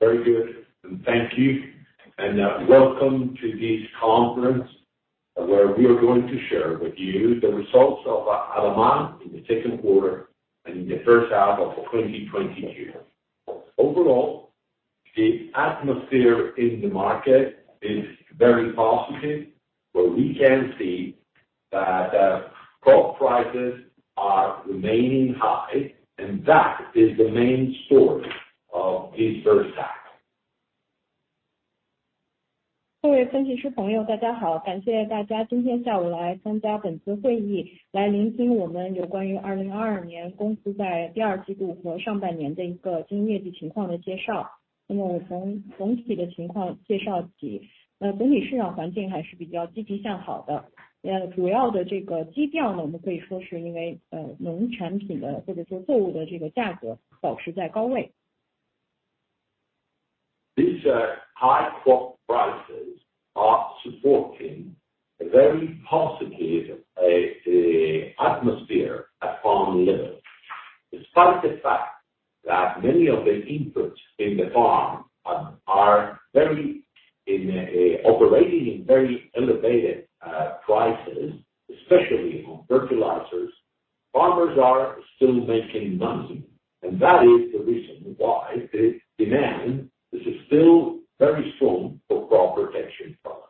Very good. Thank you, and welcome to this conference, where we are going to share with you the results of ADAMA in the Q2 and in the H1 of 2022. Overall, the atmosphere in the market is very positive, where we can see that crop prices are remaining high. That is the main story of this H1. 各位分析师朋友大家好，感谢大家今天下午来参加本次会议，来聆听我们有关于2022年公司在第二季度和上半年的一个经营业绩情况的介绍。那么我从总体的情况介绍起，总体市场环境还是比较积极向好的，那主要的这个基调呢，我们可以说是因为农产品的或者说作物的这个价格保持在高位。These high crop prices are supporting a very positive atmosphere at farm level. Despite the fact that many of the inputs in the farm are operating in very elevated prices, especially on fertilizers, farmers are still making money. That is the reason why the demand is still very strong for crop protection products.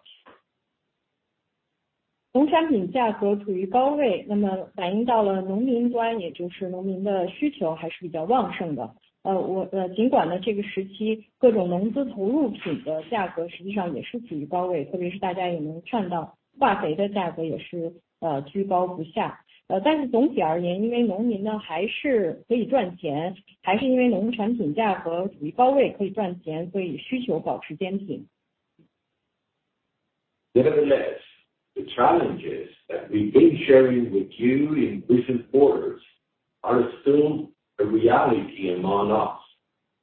农产品价格处于高位，那么反映到了农民端，也就是农民的需求还是比较旺盛的。尽管这个时期各种农资投入品的价格实际上也是处于高位，特别是大家也能看到化肥的价格也是居高不下。但是总体而言，因为农民还是可以赚钱，还是因为农产品价格处于高位可以赚钱，所以需求保持坚挺。Nevertheless, the challenges that we've been sharing with you in recent quarters are still a reality among us.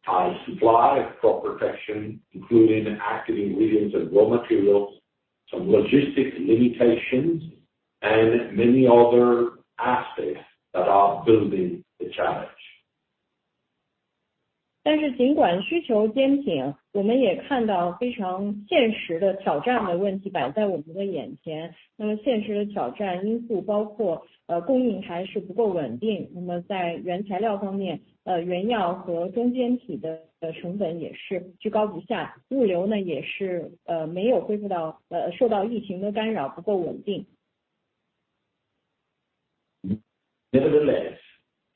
High supply of crop protection, including active ingredients and raw materials, some logistics limitations, and many other aspects that are building the challenge. 但是尽管需求坚挺，我们也看到非常现实的挑战的问题摆在我们的眼前。那么现实的挑战因素包括，供应还是不够稳定。那么在原材料方面，原药和中间体的成本也是居高不下，物流呢也是受到疫情的干扰，不够稳定。Nevertheless,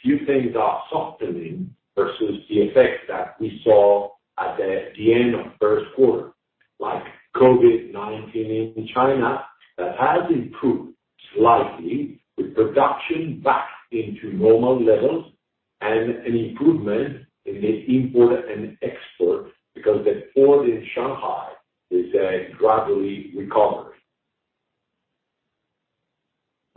few things are softening versus the effects that we saw at the end of Q1, like COVID-19 in China that has improved slightly with production back into normal levels and an improvement in the import and export because the port in Shanghai is gradually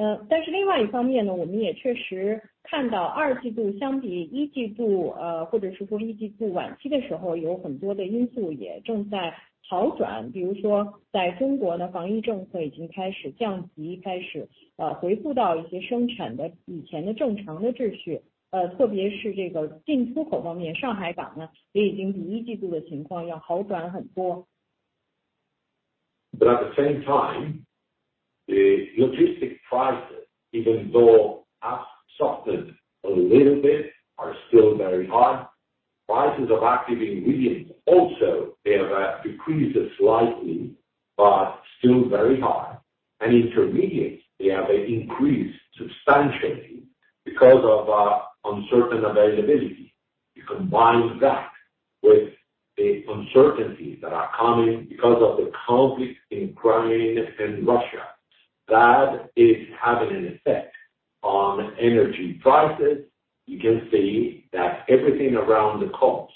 recovered. 但是另外一方面，我们也确实看到二季度相比一季度，或者是说一季度晚期的时候，有很多的因素也正在好转。比如说在中国的防疫政策已经开始降级，开始恢复到一些生产的以前的正常的秩序，特别是这个进出口方面，上海港也已经比一季度的情况要好转很多。At the same time, the logistic prices, even though have softened a little bit, are still very high. Prices of active ingredients also they have decreased slightly, but still very high. Intermediates, they have increased substantially because of uncertain availability. You combine that with the uncertainties that are coming because of the conflict in Ukraine and Russia. That is having an effect on energy prices. You can see that everything around the cost,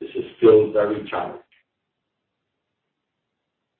this is still very challenged.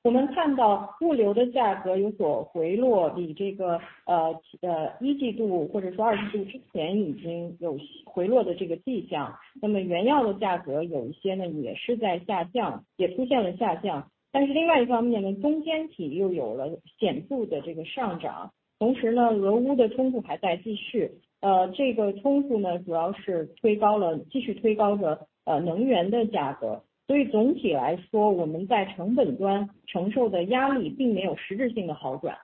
我们看到物流的价格有所回落，比这个一季度或者说二季度之前已经有回落的迹象。那么原药的价格有一些也是在下降，也出现了下降。但是另外一方面，中间体又有了显著的上涨。同时，俄乌的冲突还在继续，这个冲突主要是推高了…… 继续推高了能源的价格。所以总体来说，我们在成本端承受的压力并没有实质性的好转。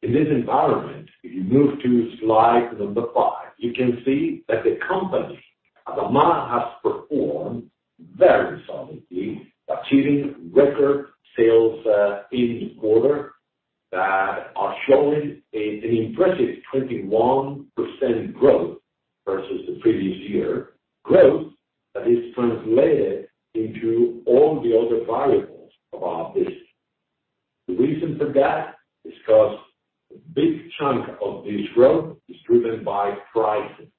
In this environment, if you move to slide five, you can see that the company, ADAMA, has performed very solidly, achieving record sales in the quarter that are showing an impressive 21% growth versus the previous year. Growth that is translated into all the other variables of our business. The reason for that is because a big chunk of this growth is driven by pricing.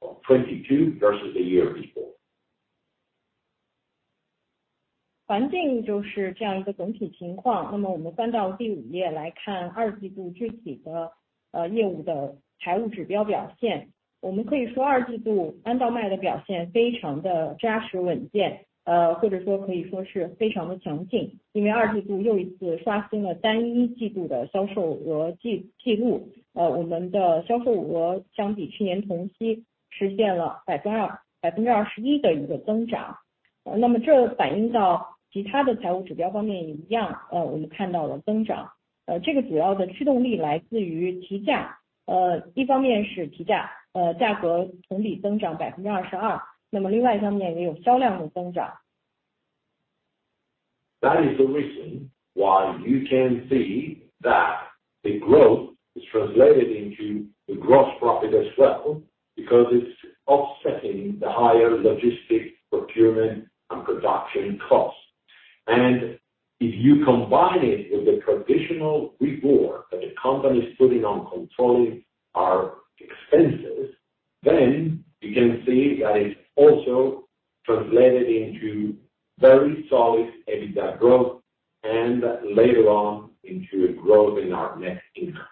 22% higher prices achieved in Q2 of 2022 versus the year before. 环境就是这样一个总体情况。那么我们翻到第五页来看二季度具体的业务的财务指标表现。我们可以说二季度安道麦的表现非常的扎实稳健，或者说可以说是非常的强劲。因为二季度又一次刷新了单一季度的销售额记录，我们的销售额相比去年同期实现了21%的增长。那么这反映到其他的财务指标方面也一样，我们看到了增长，这个主要的驱动力来自于提价。一方面是提价，价格同比增长22%，那么另外一方面也有销量的增长。That is the reason why you can see that the growth is translated into the gross profit as well, because it's offsetting the higher logistic procurement and production costs. If you combine it with the traditional rigor that the company is putting on controlling our expenses, then you can see that it's also translated into very solid EBITDA growth, and later on into a growth in our net income.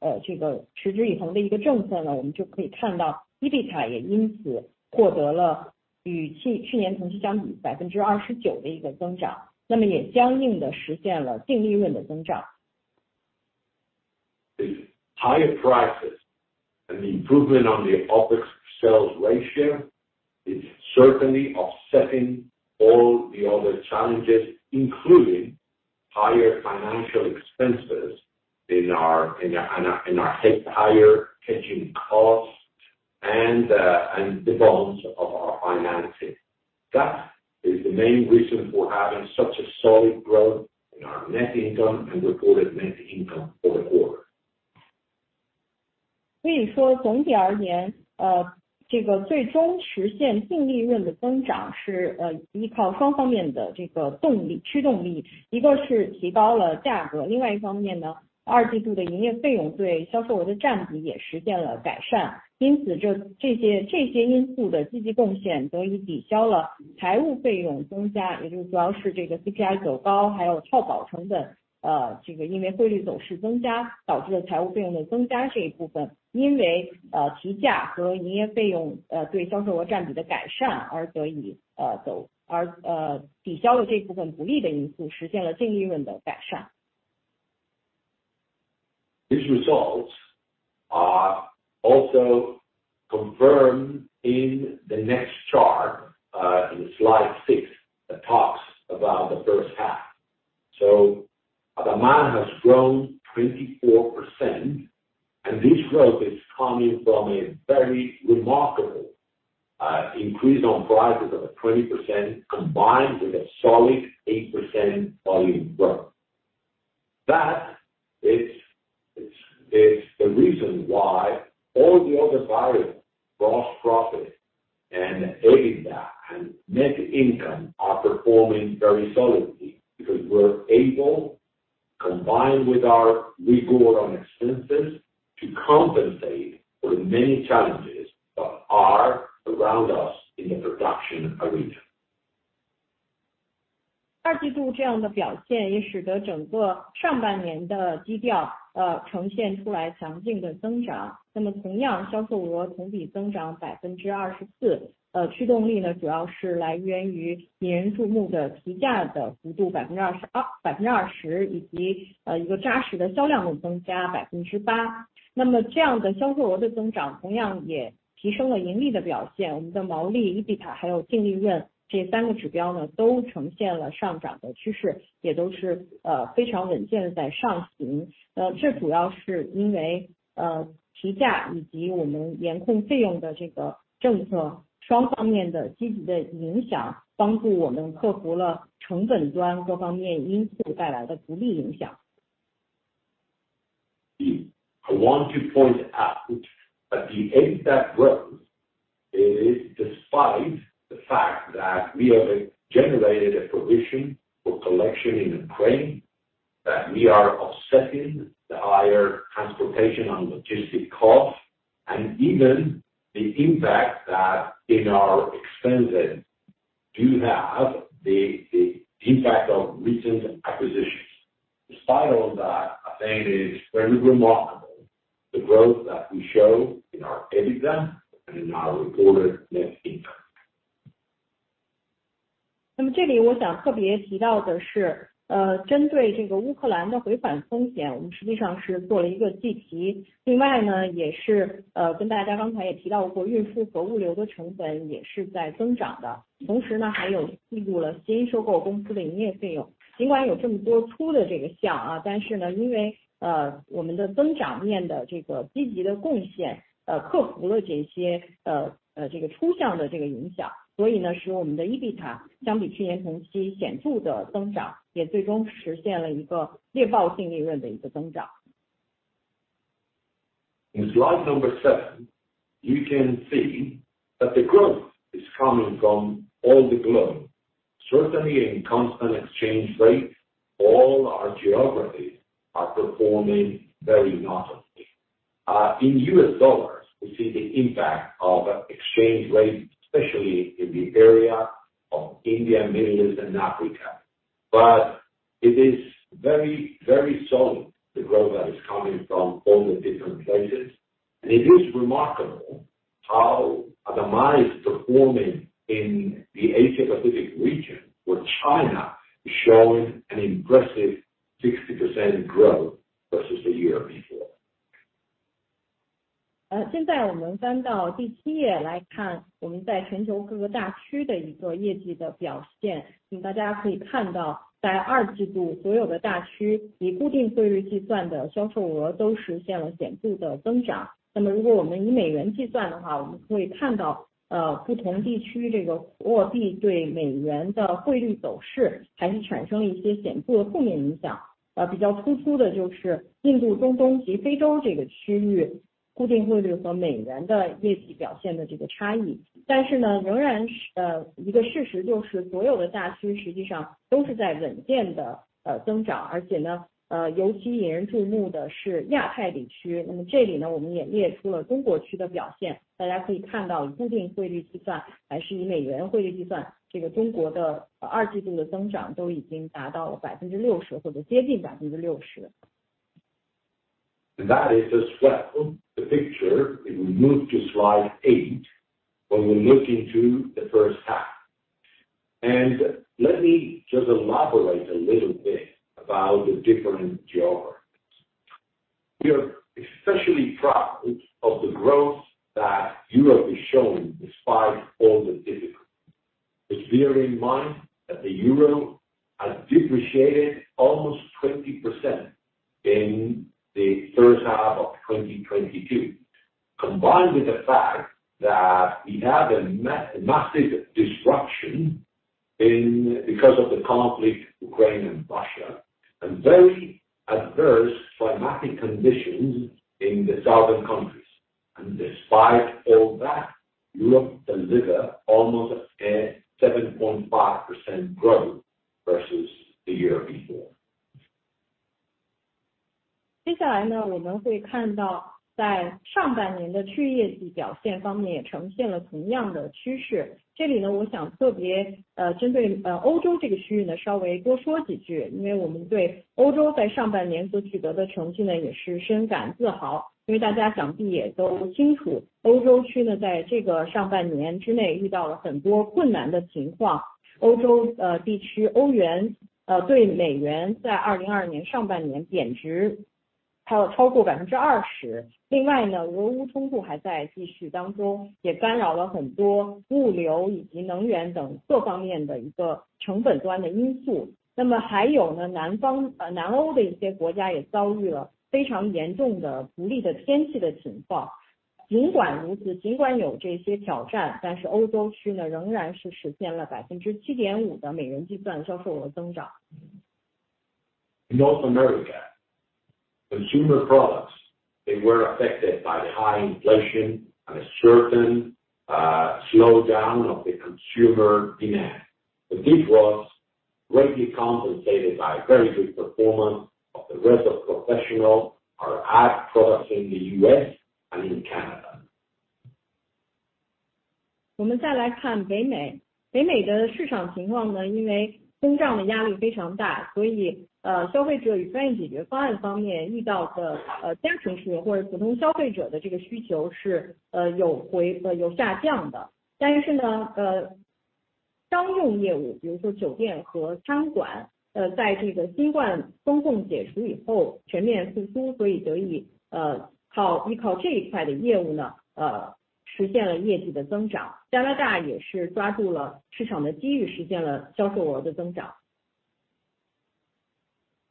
The higher prices and the improvement on the OpEx sales ratio is certainly offsetting all the other challenges, including higher financial expenses in our higher hedging costs and the bonds of our financing. That is the main reason for having such a solid growth in our net income and reported net income for the quarter. These results are also confirmed in the next chart, in slide six that talks about the H1. ADAMA has grown 24%, and this growth is coming from a very remarkable increase on prices of a 20% combined with a solid 8% volume growth. That is the reason why all the other variables, gross profit, EBITDA, and net income, are performing very solidly, because we're able, combined with our rigor on expenses, to compensate for the many challenges that are around us in the production arena. I want to point out that the EBITDA growth is despite the fact that we have generated a provision for collection in Ukraine, that we are offsetting the higher transportation and logistic costs, and even the impact that in our expenses do have the impact of recent acquisitions. Despite all that, I think it is very remarkable the growth that we show in our EBITDA and in our reported net income. In slide number seven, you can see that the growth is coming from all the globe. Certainly in constant exchange rate, all our geographies are performing very nicely. In US dollars, we see the impact of exchange rate, especially in the area of India, Middle East and Africa. It is very, very solid. The growth that is coming from all the different places, and it is remarkable how ADAMA is performing in the Asia-Pacific region, where China is showing an impressive 60% growth versus the year before. That is just the picture. If we move to slide eight, when we look into the H1. Let me just elaborate a little bit about the different geographies. We are especially proud of the growth that Europe is showing despite all the difficulties. Let's bear in mind that the Euro has depreciated almost 20% in the H1 of 2022. Combined with the fact that we have a massive disruption because of the conflict Ukraine and Russia, and very adverse climatic conditions in the southern countries. Despite all that, Europe deliver almost a 7.5% growth versus the year before. In North America, consumer products, they were affected by the high inflation and a certain, slowdown of the consumer demand. This was greatly compensated by very good performance of the rest of our professional ADAMA products in the US and in Canada.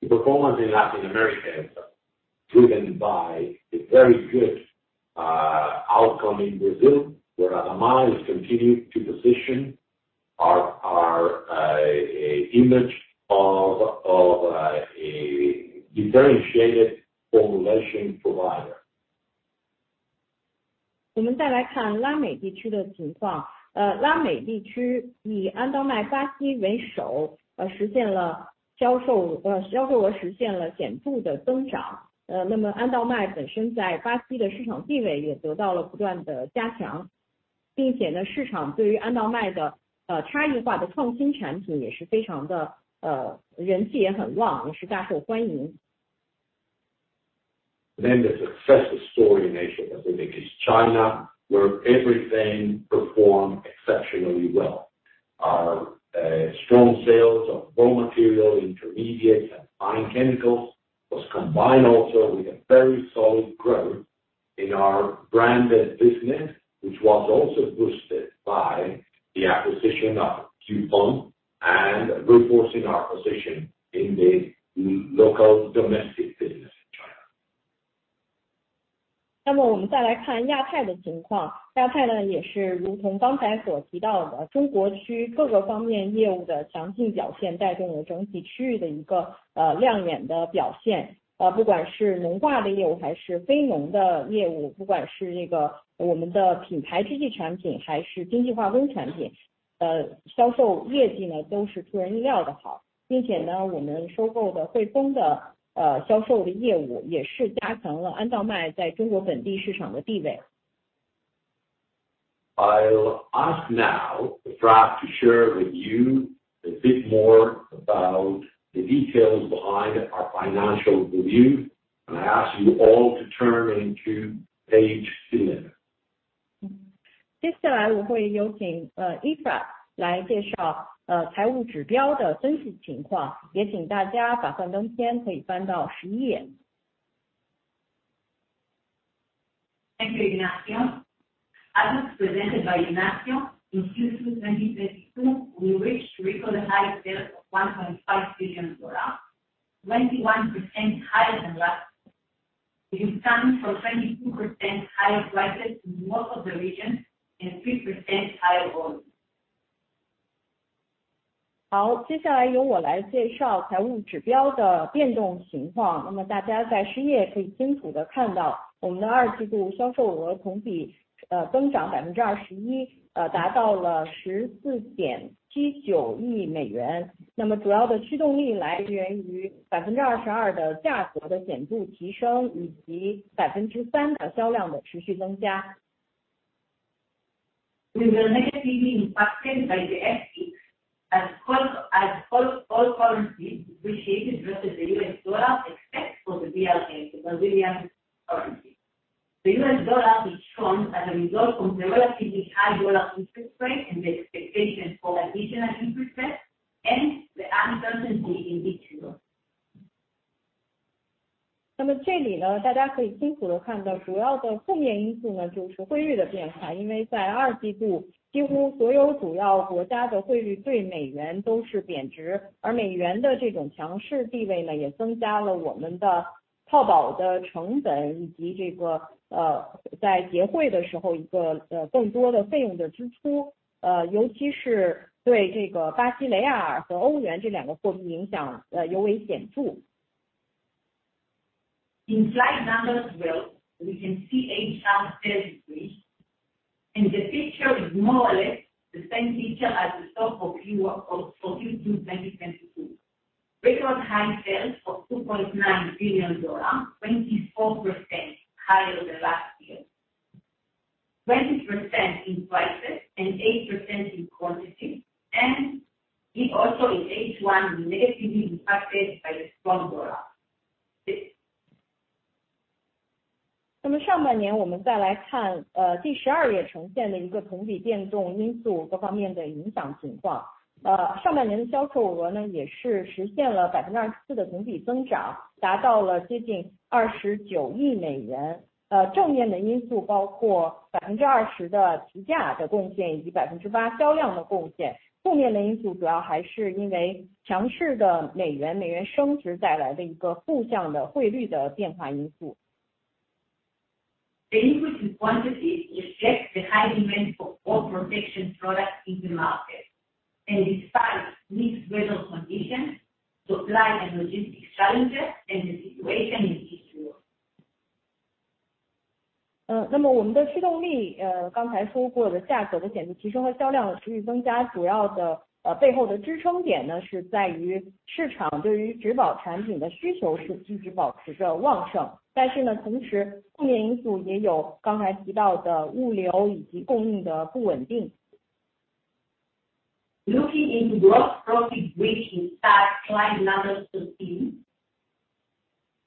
The performance in Latin America is driven by the very good outcome in Brazil, where ADAMA has continued to position our image of a differentiated formulation provider. 我们再来看拉美地区的情况。拉美地区以安道麦巴西为首，实现了销售额显著的增长。安道麦本身在巴西的市场地位也得到了不断的加强，并且市场对于安道麦的差异化的创新产品也是非常人气旺，大受欢迎。The success story in Asia Pacific is China, where everything performed exceptionally well. Our strong sales of raw material, intermediates and fine chemicals was combined also with a very solid growth in our branded business, which was also boosted by the acquisition of Huifeng and reinforcing our position in the local domestic business. I'll ask now Efrat to share with you a bit more about the details behind our financial review. I ask you all to turn to page 11. 接下来我会有请Efrat来介绍财务指标的分析情况，也请大家把幻灯片可以翻到十一页。Thank you, Ignacio. As is presented by Ignacio. In Q2 2022, we reached record high sales of $1.5 billion. 21% higher than last year. It comes from 22% higher prices in most of the regions, and 3% higher volumes. 好，接下来由我来介绍财务指标的变动情况。那么大家在第十页可以清楚地看到我们的二季度销售额同比增长21%，达到了14.79亿美元。那么主要的驱动力来源于22%的价格的显著提升，以及3%的销量的持续增加。We were negatively impacted by the FX as all currencies depreciated versus the US dollar except for the BRL, the Brazilian currency. The US dollar is strong as a result from the relatively high US interest rates and the expectations for additional interest rates and the uncertainty in each year. 那么这里呢，大家可以清楚地看到，主要的不利因素呢，就是汇率的变化。因为在二季度几乎所有主要国家的汇率对美元都是贬值，而美元的这种强势地位呢，也增加了我们的套保的成本，以及在结汇的时候更多的费用的支出。尤其是对巴西雷亚尔和欧元这两个货币影响，尤为显著。In slide number 12, we can see H1 sales increase, and the picture is more or less the same picture as the story of Q2 2022. Record high sales of $2.9 billion, 24% higher than last year. 20% in prices, and 8% in quantity, and it also in H1 negatively impacted by the strong dollar. The increase in quantity reflects the high demand for all protection products in the market. Despite mixed weather conditions, supply and logistics challenges and the situation in each year. 那么我们的驱动力，刚才说过了，价格的显著提升和销量的持续增加，主要的背后的支撑点呢，是在于市场对于植保产品的需求是一直保持着旺盛，但是呢，同时负面因素也有刚才提到的物流以及供应的不稳定。Looking into gross profit bridge inside slide number 13.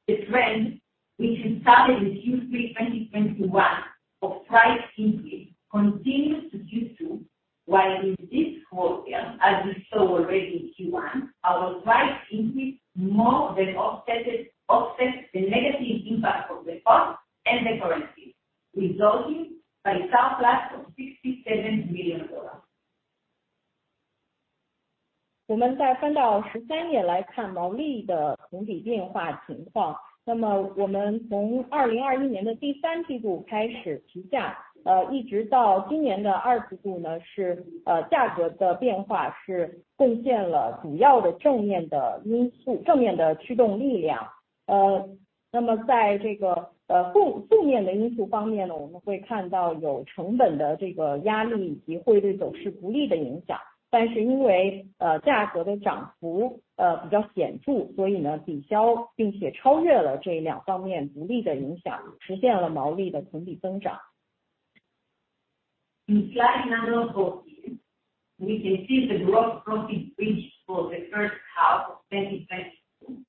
The trend, which started in Q3 2021 of price increase continues to Q2, while in this quarter, as you saw already in Q1, our price increase more than offset the negative impact of the cost and the currency, resulting in surplus of $67 million. 我们再翻到第13页来看毛利的同比变化情况。那么我们从2021年的第三季度开始提价，一直到今年的二季度，价格的变化是贡献了主要的正面的因素，正面的驱动力量。那么在负面的因素方面，我们会看到有成本的压力以及汇率走势不利的影响，但是因为价格的涨幅比较显著，所以抵消并且超越了这两方面不利的影响，实现了毛利的同比增长。In slide number 14, we can see the gross profit bridge for the H1 of 2022,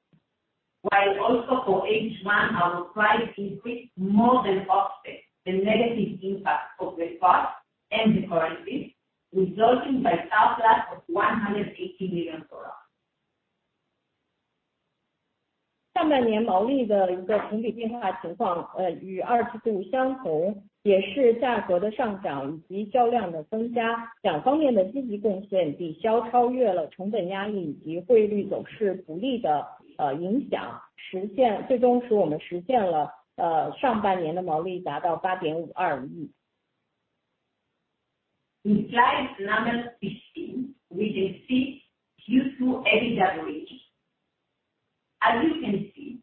while also for H1, our price increase more than offset the negative impact of the costs and the currency, resulting in a surplus of $180 million. 上半年毛利的同比变化情况，与二季度相同，也是价格的上涨以及销量的增加，两方面的积极贡献抵消超越了成本压力以及汇率走势不利的影响，最终使我们实现了上半年的毛利达到8.52亿。In slide number 15, we can see Q2 EBITDA. As you can see,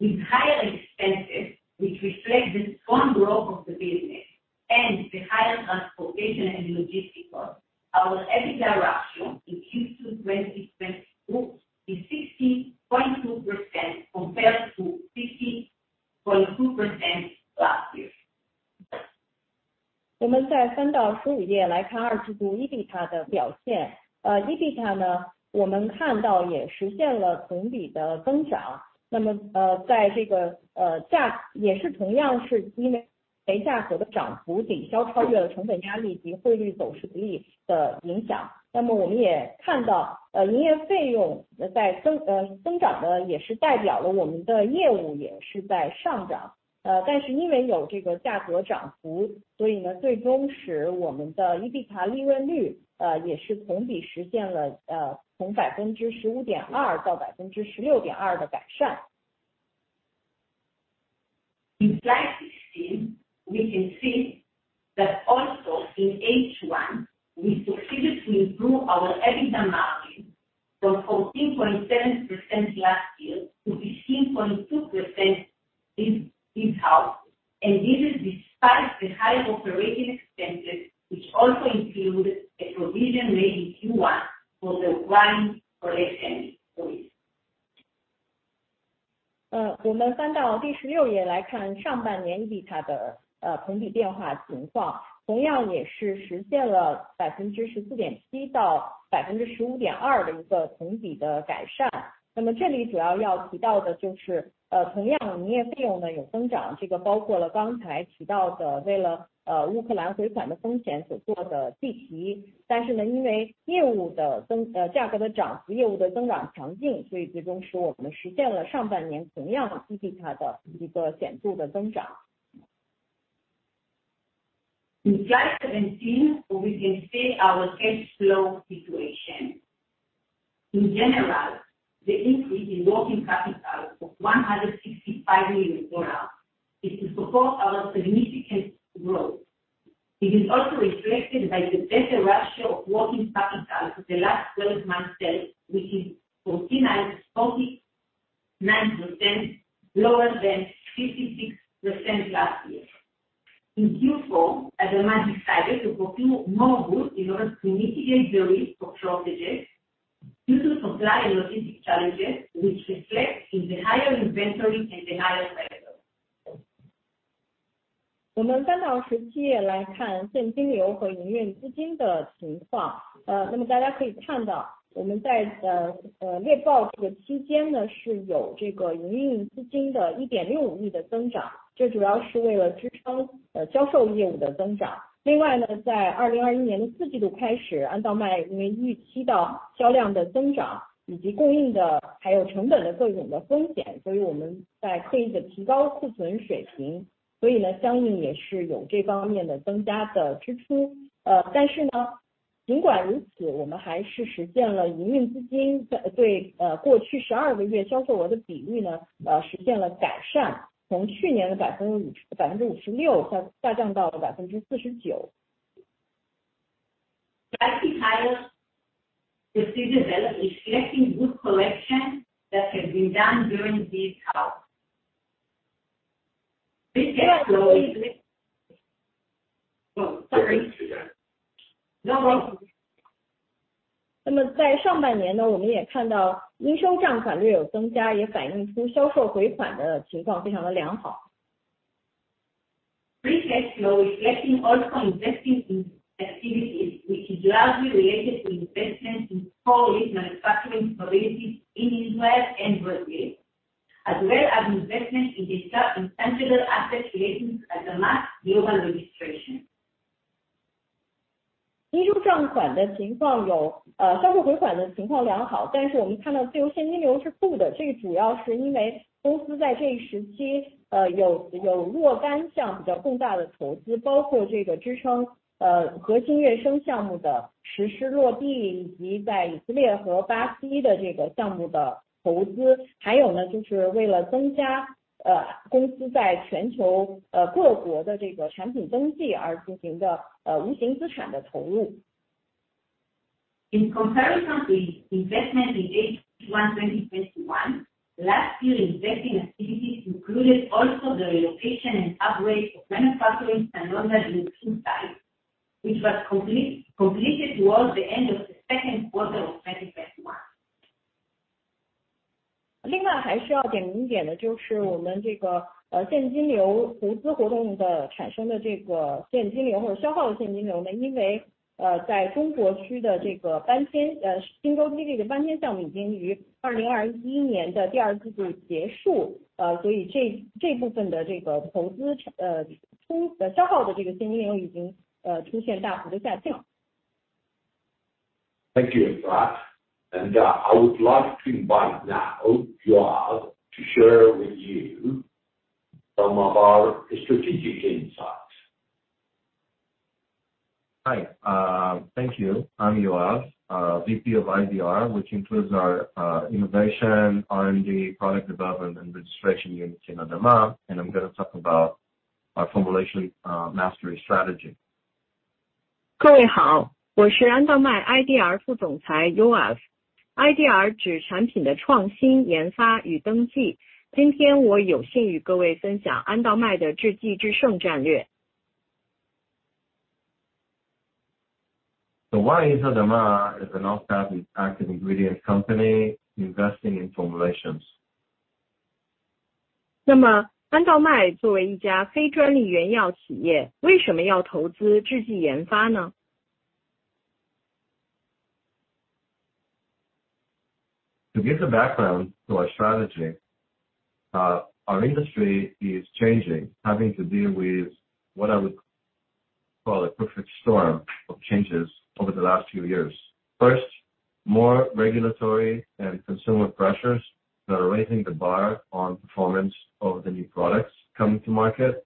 with higher expenses, which reflect the strong growth of the business and the higher transportation and logistics costs, our EBITDA ratio in Q2 2022 is 16.2% compared to 50.2% last year. 我们在三到十五页来看二季度EBITDA的表现。EBITDA呢，我们看到也实现了同比的增长。在这个价格方面，也同样是因为价格的涨幅抵消超越了成本压力及汇率走势不利的影响。我们也看到，营业费用的增长呢也是代表了我们的业务也是在上涨。但是因为有这个价格涨幅，所以呢，最终使我们的EBITDA利润率，也是同比实现了从15.2%到16.2%的改善。In slide 16, we can see that also in H1, we succeeded to improve our EBITDA margin from 14.7% last year to 16.2% this half. This is despite the higher operating expenses, which also include a provision made in Q1 for the Ukraine collection risk. 我们翻到第十六页来看上半年EBITDA的同比变化情况，同样也是实现了14.7%到15.2%的一个同比的改善。那么这里主要要提到的就是，同样营业费用有增长，这个包括了刚才提到的为了乌克兰回款的风险所做的计提。但是，因为价格的涨幅、业务的增长强劲，所以最终使我们实现了上半年同样EBITDA的一个显著的增长。In slide 17, we can see our cash flow situation. In general, the increase in working capital of $165 million is to support our significant growth. It is also reflected by the better ratio of working capital to the last twelve months' sales, which is 49.9%, lower than 56% last year. In Q4, ADAMA decided to procure more goods in order to mitigate the risk of shortages due to supply and logistics challenges, which reflect in the higher inventory and the higher Slide 18 is the development reflecting good collection that has been done during this half. Oh, sorry. No problem. 那么在上半年呢，我们也看到应收账款略有增加，也反映出销售回款的情况非常的良好。Free cash flow reflecting also investing in activities which is largely related to investment in four lead manufacturing facilities in Israel and Brazil, as well as investment in intangible assets relating to ADAMA's global registration. 应收账款的情况，销售回款的情况良好，但是我们看到自由现金流是负的，这主要是因为公司在这一时期有若干项比较重大的投资，包括支撑核心跃升项目的实施落地，以及在以色列和巴西的项目的投资。还有就是为了增加公司在全球各国的产品登记而进行的无形资产的投入。In comparison to investment in H1 2021, last year's investing activities included also the relocation and upgrade of manufacturing standards in two sites, which was completed towards the end of the Q2 of 2021. 另外还需要点评一点的就是我们这个现金流——投资活动产生的这个现金流或者消耗的现金流，因为在中国区的这个搬迁——荆州基地的搬迁项目已经于2021年的第二季度结束，所以这部分的这个投资消耗的这个现金流已经出现大幅的下降。Thank you, Efrat. I would like to invite now Yoav to share with you some of our strategic insights. Hi, thank you. I'm Yoav, VP of IDR, which includes our innovation, R&D, product development, and registration units in ADAMA, and I'm gonna talk about our formulation mastery strategy. 各位好，我是安道麦 IDR 副总裁 Yoav。IDR 指产品的创新、研发与登记。今天我有幸与各位分享安道麦的制剂制胜战略。The one is ADAMA is an off-patent active ingredient company investing in formulations. 那么安道麦作为一家非专利原药企业，为什么要投资制剂研发呢？ To give the background to our strategy, our industry is changing, having to deal with what I would call a perfect storm of changes over the last few years. First, more regulatory and consumer pressures that are raising the bar on performance of the new products coming to market.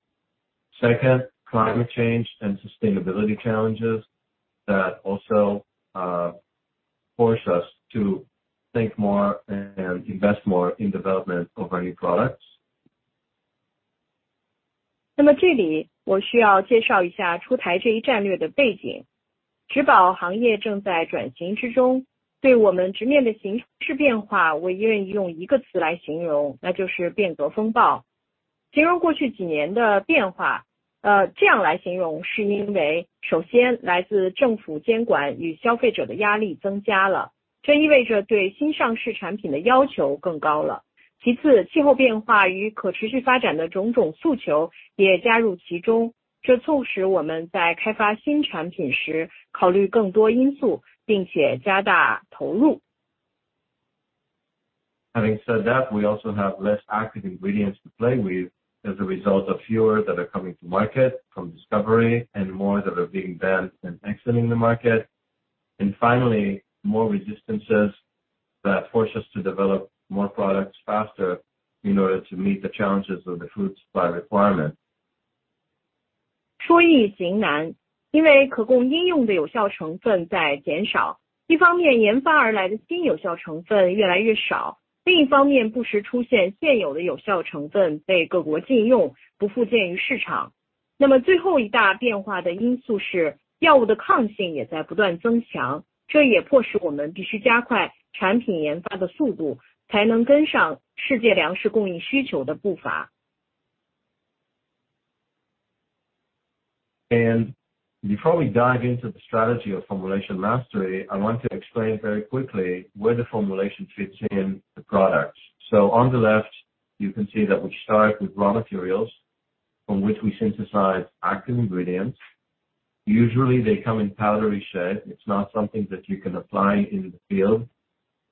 Second, climate change and sustainability challenges that also force us to think more and invest more in development of our new products. 那么这里我需要介绍一下出台这一战略的背景。植保行业正在转型之中，对我们直面的形势变化，我愿意用一个词来形容，那就是变革风暴。形容过去几年的变化，这样来形容是因为首先来自政府监管与消费者的压力增加了，这意味着对新上市产品的要求更高了。其次，气候变化与可持续发展的种种诉求也加入其中，这促使我们在开发新产品时考虑更多因素，并且加大投入。Having said that, we also have less active ingredients to play with as a result of fewer that are coming to market from discovery and more that are being banned and exiting the market. Finally more resistances that force us to develop more products faster in order to meet the challenges of the food supply requirements. 说易行难，因为可供应用的有效成分在减少。一方面研发而来的新有效成分越来越少，另一方面不时出现现有的有效成分被各国禁用，不复见于市场。那么最后一大变化的因素是药物的抗性也在不断增强，这也迫使我们必须加快产品研发的速度，才能跟上世界粮食供应需求的步伐。Before we dive into the strategy of formulation mastery, I want to explain very quickly where the formulation fits in the products. On the left, you can see that we start with raw materials from which we synthesize active ingredients. Usually they come in powdery shape. It's not something that you can apply in the field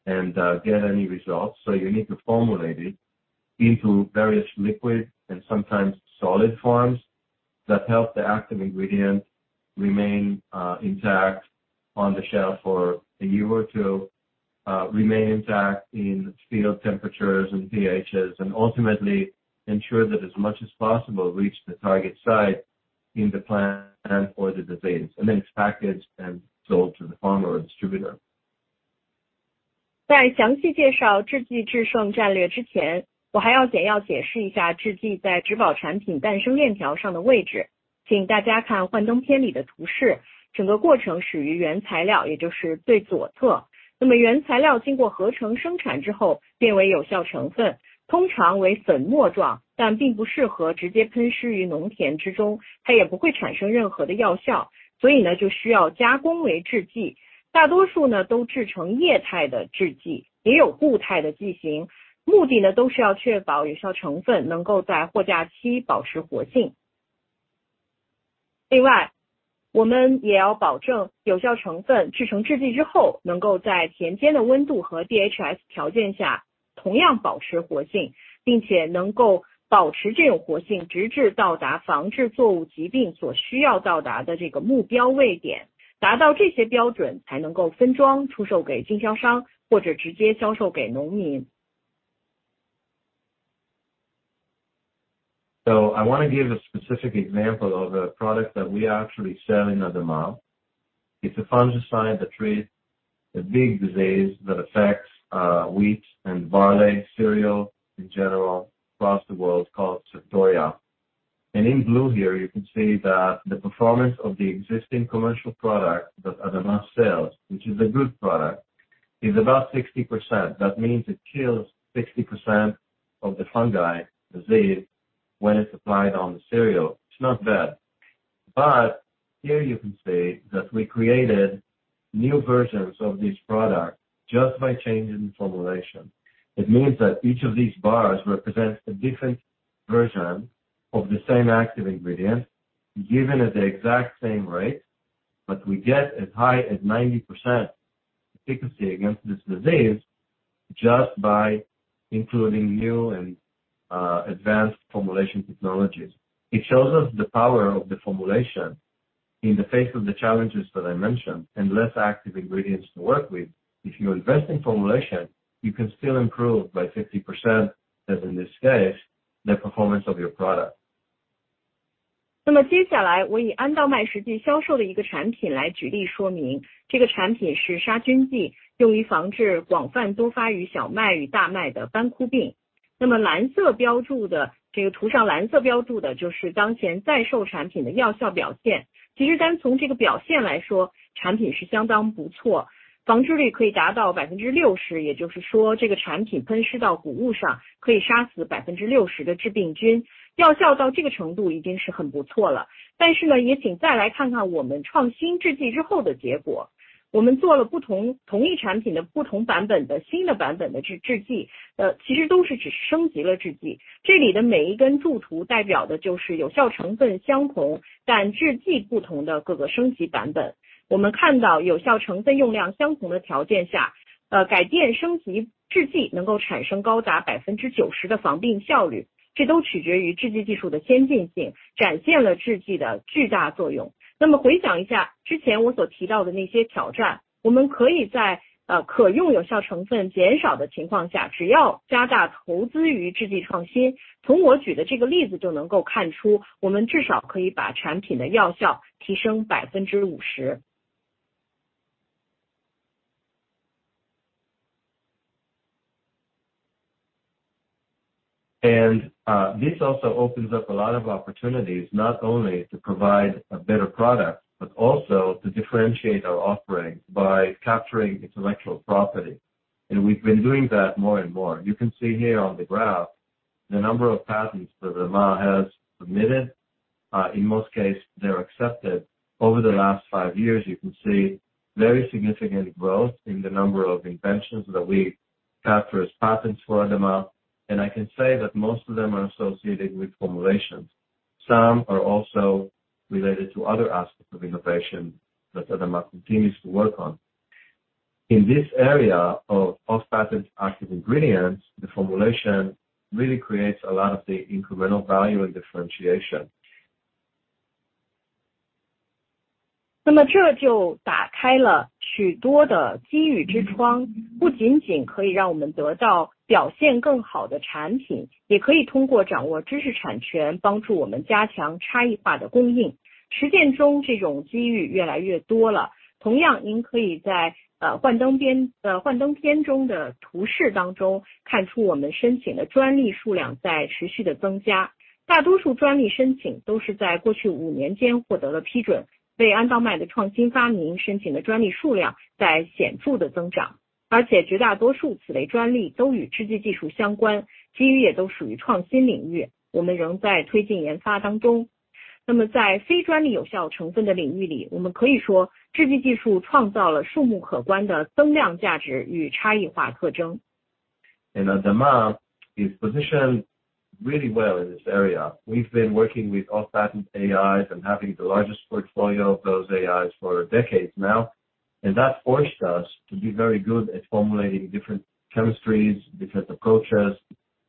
and get any results. You need to formulate it into various liquid and sometimes solid forms that help the active ingredient remain intact on the shelf for a year or two, remain intact in field temperatures and VHS and ultimately ensure that as much as possible reach the target site in the plant and or the disease, and then it's packaged and sold to the farmer or distributor. I want to give a specific example of a product that we are actually selling at the moment. It's a fungicide that treats a big disease that affects wheat and barley cereal in general across the world called Septoria. In blue here you can see that the performance of the existing commercial product that ADAMA sells, which is a good product, is about 60%. That means it kills 60% of the fungi disease when it's applied on the cereal. It's not bad. Here you can see that we created new versions of this product just by changing the formulation. It means that each of these bars represents a different version of the same active ingredient given at the exact same rate. We get as high as 90% efficacy against this disease just by including new and advanced formulation technologies. It shows us the power of the formulation in the face of the challenges that I mentioned, and less active ingredients to work with. If you invest in formulation, you can still improve by 50%, as in this case, the performance of your product. This also opens up a lot of opportunities, not only to provide a better product, but also to differentiate our offerings by capturing intellectual property. We've been doing that more and more. You can see here on the graph the number of patents that ADAMA has submitted. In most cases, they're accepted. Over the last five years, you can see very significant growth in the number of inventions that we capture as patents for ADAMA, and I can say that most of them are associated with formulations. Some are also related to other aspects of innovation that ADAMA continues to work on. In this area of off-patent active ingredients, the formulation really creates a lot of the incremental value and differentiation. ADAMA is positioned really well in this area. We've been working with off-patent AIs and having the largest portfolio of those AIs for decades now, and that forced us to be very good at formulating different chemistries, different approaches,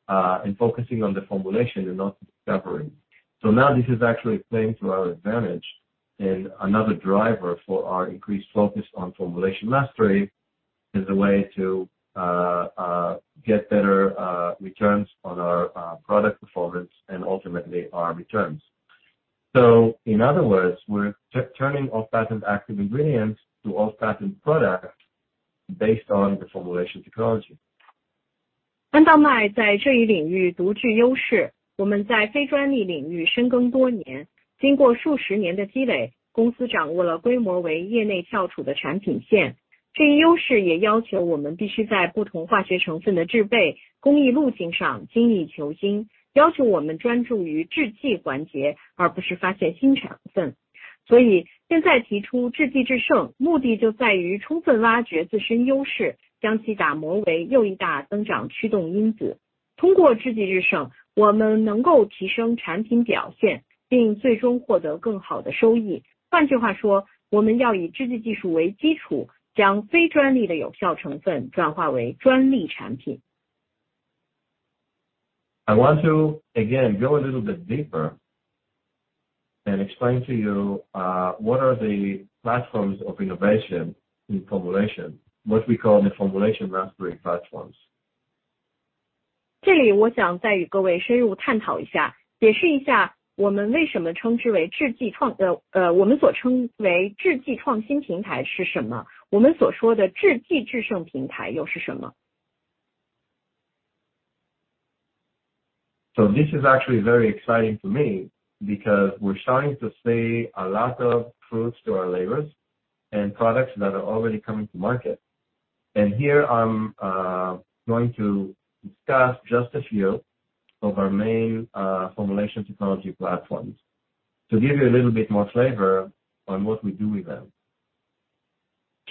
and focusing on the formulation and not discovery. Now this is actually playing to our advantage, and another driver for our increased focus on formulation mastery as a way to get better returns on our product performance and ultimately our returns. In other words, we're turning off-patent active ingredients to off-patent products based on the formulation technology. 安道麦在这一领域独具优势，我们在非专利领域深耕多年，经过数十年的积累，公司掌握了规模为业内翘楚的产品线。这一优势也要求我们必须在不同化学成分的制备、工艺路径上精益求精，要求我们专注于制剂环节，而不是发现新成分。所以现在提出制剂制胜，目的就在于充分挖掘自身优势，将其打磨为又一大增长驱动因子。通过制剂制胜，我们能够提升产品表现，并最终获得更好的收益。换句话说，我们要以制剂技术为基础，将非专利的有效成分转化为专利产品。I want to again go a little bit deeper and explain to you, what are the platforms of innovation in formulation, what we call the formulation mastery platforms. 这里我想再与各位深入探讨一下，解释一下我们为什么称之为制剂创新平台是什么，我们所说的制剂制胜平台又是什么？ This is actually very exciting to me because we're starting to see a lot of fruits to our labors and products that are already coming to market. Here I'm going to discuss just a few of our main formulation technology platforms to give you a little bit more flavor on what we do with them.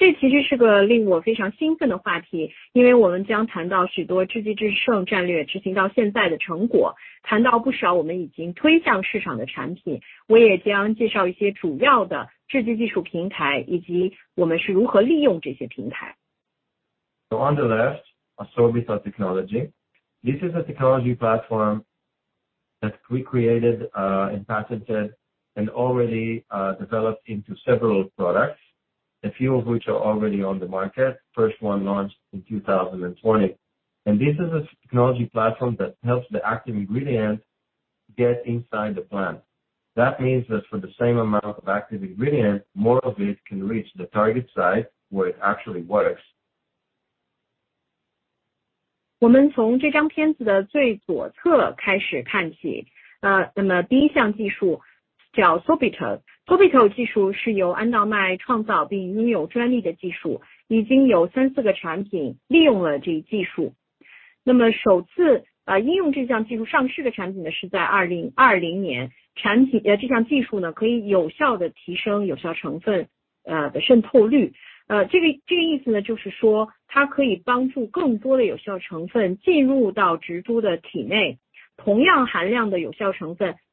这其实是个令我非常兴奋的话题，因为我们将谈到许多制剂制胜战略执行到现在的成果，谈到不少我们已经推向市场的产品，我也将介绍一些主要的制剂技术平台，以及我们是如何利用这些平台。On the left, our Asorbital technology. This is a technology platform that we created, and patented and already developed into several products, a few of which are already on the market. First one launched in 2020. This is a technology platform that helps the active ingredient get inside the plant. That means that for the same amount of active ingredient, more of it can reach the target site where it actually works.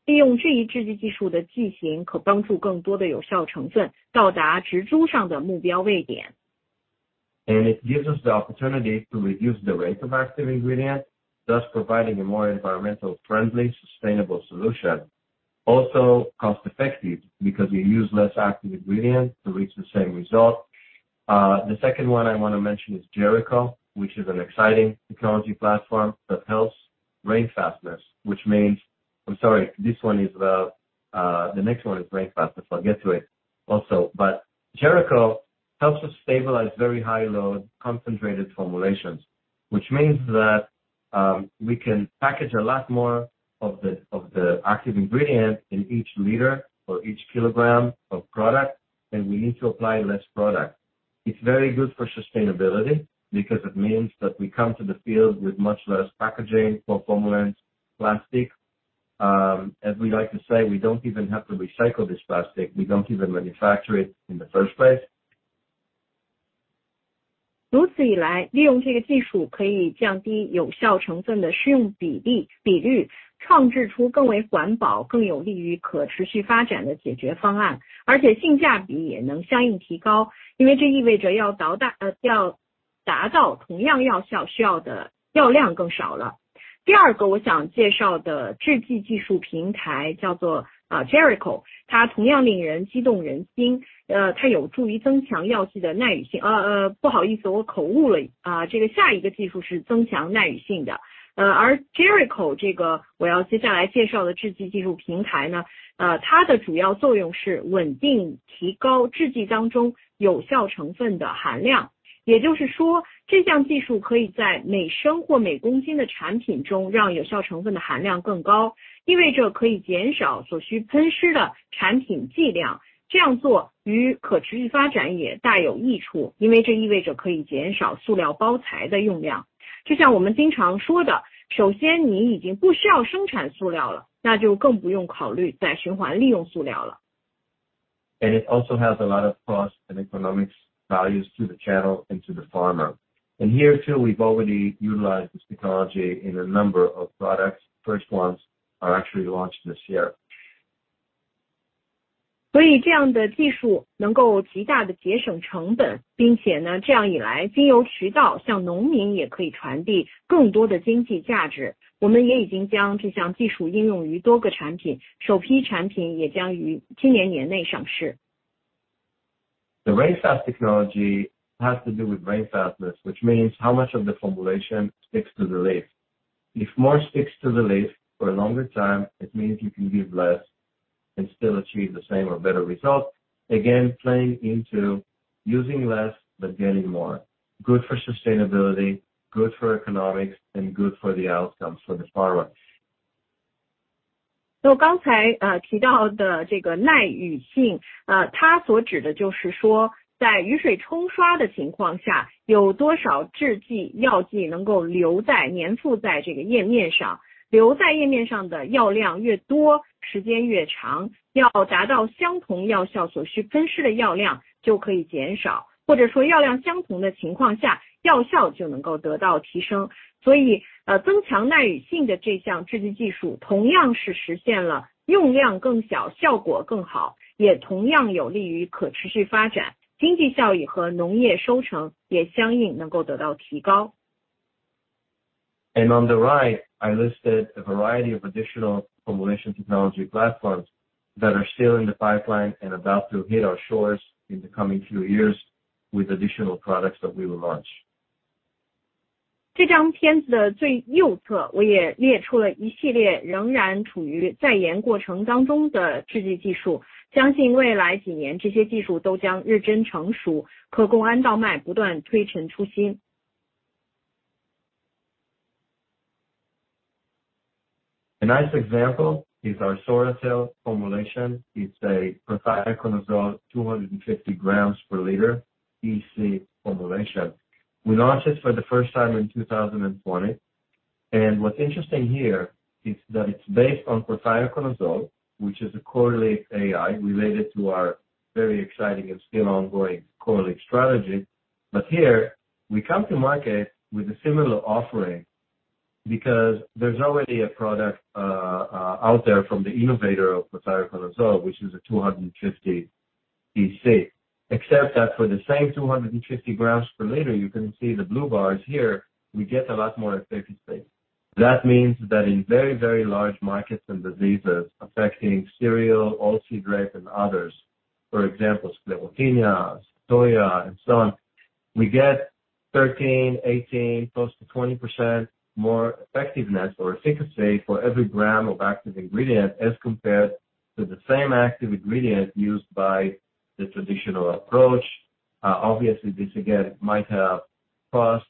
It gives us the opportunity to reduce the rate of active ingredient, thus providing a more environmentally friendly, sustainable solution. Also cost effective because we use less active ingredient to reach the same result. The second one I want to mention is Jericho, which is an exciting technology platform that helps rainfastness. I'll get to it also. But Jericho helps us stabilize very high load concentrated formulations, which means that we can package a lot more of the active ingredient in each liter or each kilogram of product, and we need to apply less product. It's very good for sustainability because it means that we come to the field with much less packaging, plastic. As we like to say, we don't even have to recycle this plastic. We don't even manufacture it in the first place. It also has a lot of cost and economics values to the channel and to the farmer. Here too, we've already utilized this technology in a number of products. First ones are actually launched this year. 所以这样的技术能够极大地节省成本，并且呢，这样一来，经由渠道向农民也可以传递更多的经济价值。我们也已经将这项技术应用于多个产品，首批产品也将于今年年内上市。The Rainfast technology has to do with rainfastness, which means how much of the formulation sticks to the leaf. If more sticks to the leaf for a longer time, it means you can give less and still achieve the same or better result. Again, playing into using less but getting more. Good for sustainability, good for economics, and good for the outcomes for the farmer. 刚才提到的这个耐雨性，它所指的就是说在雨水冲刷的情况下，有多少制剂药剂能够留在、粘附在这个叶面上。留在叶面上的药量越多、时间越长，要达到相同药效，所需喷施的药量就可以减少。或者说药量相同的情况下，药效就能够得到提升。增强耐雨性的这项制剂技术，同样是实现了用量更小、效果更好，也同样有利于可持续发展，经济效益和农业收成也相应能够得到提高。On the right, I listed a variety of additional formulation technology platforms that are still in the pipeline and about to hit our shores in the coming few years with additional products that we will launch. 这张片子的最右侧，我也列出了一系列仍然处于在研过程当中的制剂技术。相信未来几年这些技术都将日臻成熟，可供安道麦不断推陈出新。A nice example is our SORATEL formulation. It's a prothioconazole 250 grams per liter EC formulation. We launched it for the first time in 2020. What's interesting here is that it's based on prothioconazole, which is a Core Leap AI related to our very exciting and still ongoing Core Leap strategy. Here we come to market with a similar offering because there's already a product out there from the innovator of prothioconazole, which is a 250 EC, except that for the same 250 grams per liter, you can see the blue bars here, we get a lot more effective space. That means that in very, very large markets and diseases affecting cereal, oilseed rape and others. For example, clethodim, Septoria and so on. We get 13%, 18%, close to 20% more effectiveness or efficacy for every gram of active ingredient as compared to the same active ingredient used by the traditional approach. Obviously, this again might have cost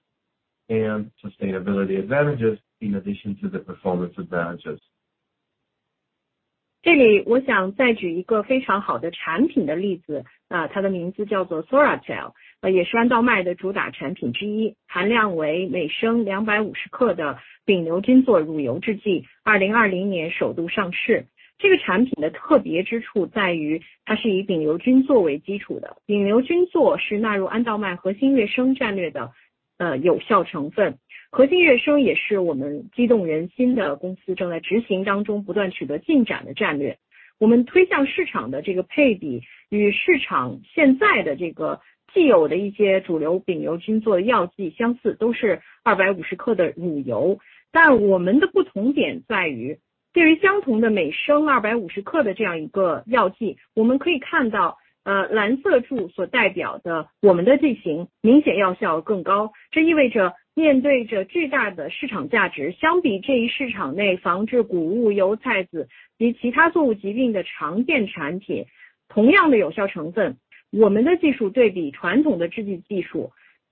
and sustainability advantages in addition to the performance advantages.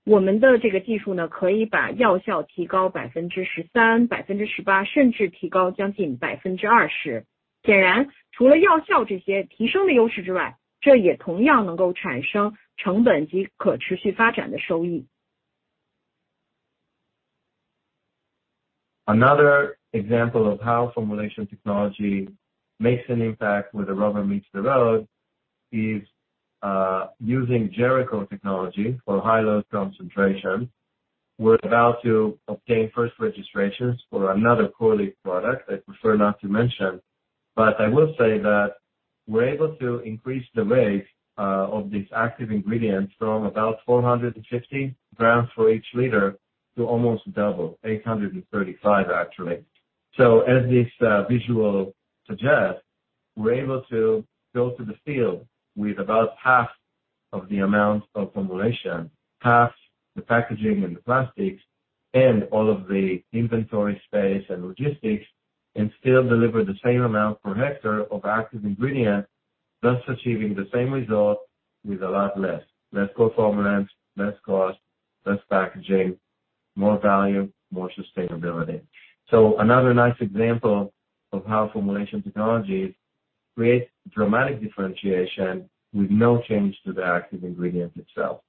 Another example of how formulation technology makes an impact where the rubber meets the road is using Jericho technology for high load concentration. We're about to obtain first registrations for another Core Leap product I prefer not to mention, but I will say that we're able to increase the rate of these active ingredients from about 450 grams for each liter to almost double, 835 actually. As this visual suggests, we're able to go to the field with about half of the amount of formulation, half the packaging and the plastics and all of the inventory space and logistics, and still deliver the same amount per hectare of active ingredient, thus achieving the same result with a lot less. Less co-formulants, less cost, less packaging, more value, more sustainability. Another nice example of how formulation technologies creates dramatic differentiation with no change to the active ingredient itself.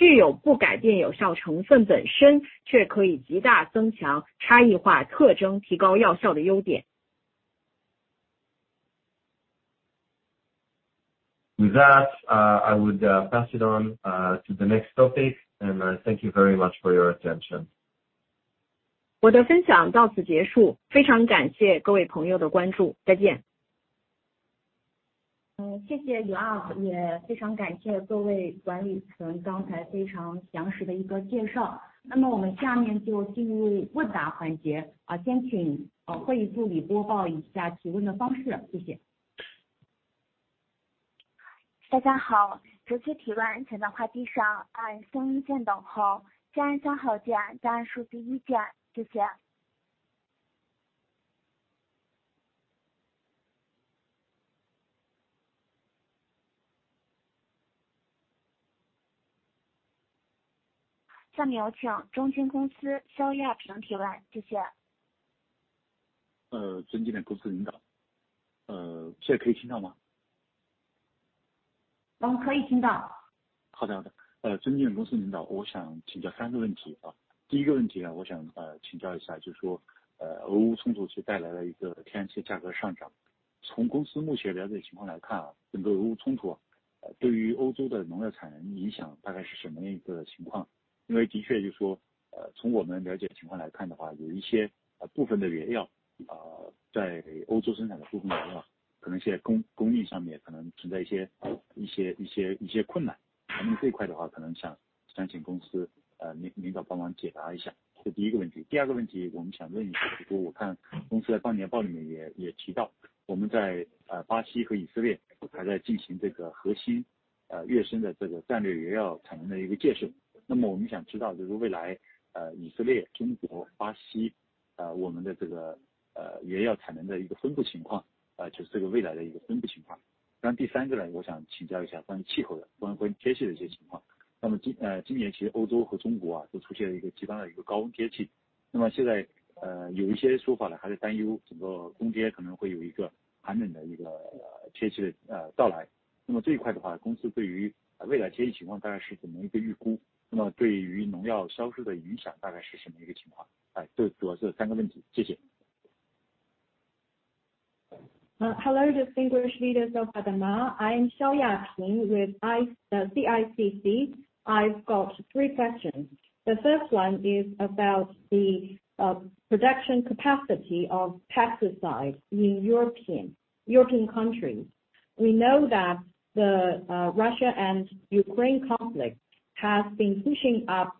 With that, I would pass it on to the next topic, and thank you very much for your attention. 我的分享到此结束，非常感谢各位朋友的关注。再见。谢谢 Yao，也非常感谢各位管理层刚才非常详实的介绍。那么我们下面就进入问答环节。先请会议助理播报一下提问的方式。谢谢。大家好，出席提问前的话，请按声音键等号加三号键，再按数字一键，谢谢。下面有请中金公司肖亚平提问，谢谢。尊敬的公司领导，现在可以听到吗？ 可以听到。Hello, distinguished leaders of ADAMA. I'm Yating Xiao with CICC. I've got three questions. The first one is about the production capacity of pesticides in European countries. We know that the Russia and Ukraine conflict has been pushing up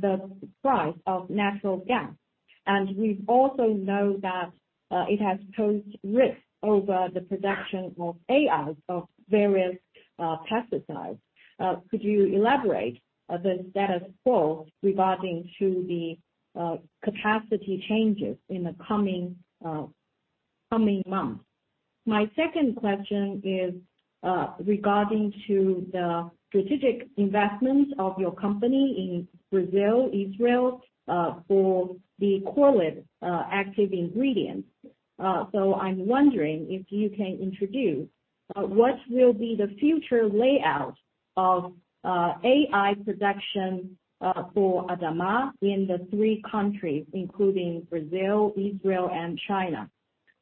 the price of natural gas, and we also know that it has posed risks over the production of AI of various pesticides. Could you elaborate the status quo regarding to the capacity changes in the coming months? My second question is, regarding to the strategic investments of your company in Brazil, Israel, for the quality active ingredient. I'm wondering if you can introduce what will be the future layout of AI production for ADAMA in the three countries, including Brazil, Israel and China.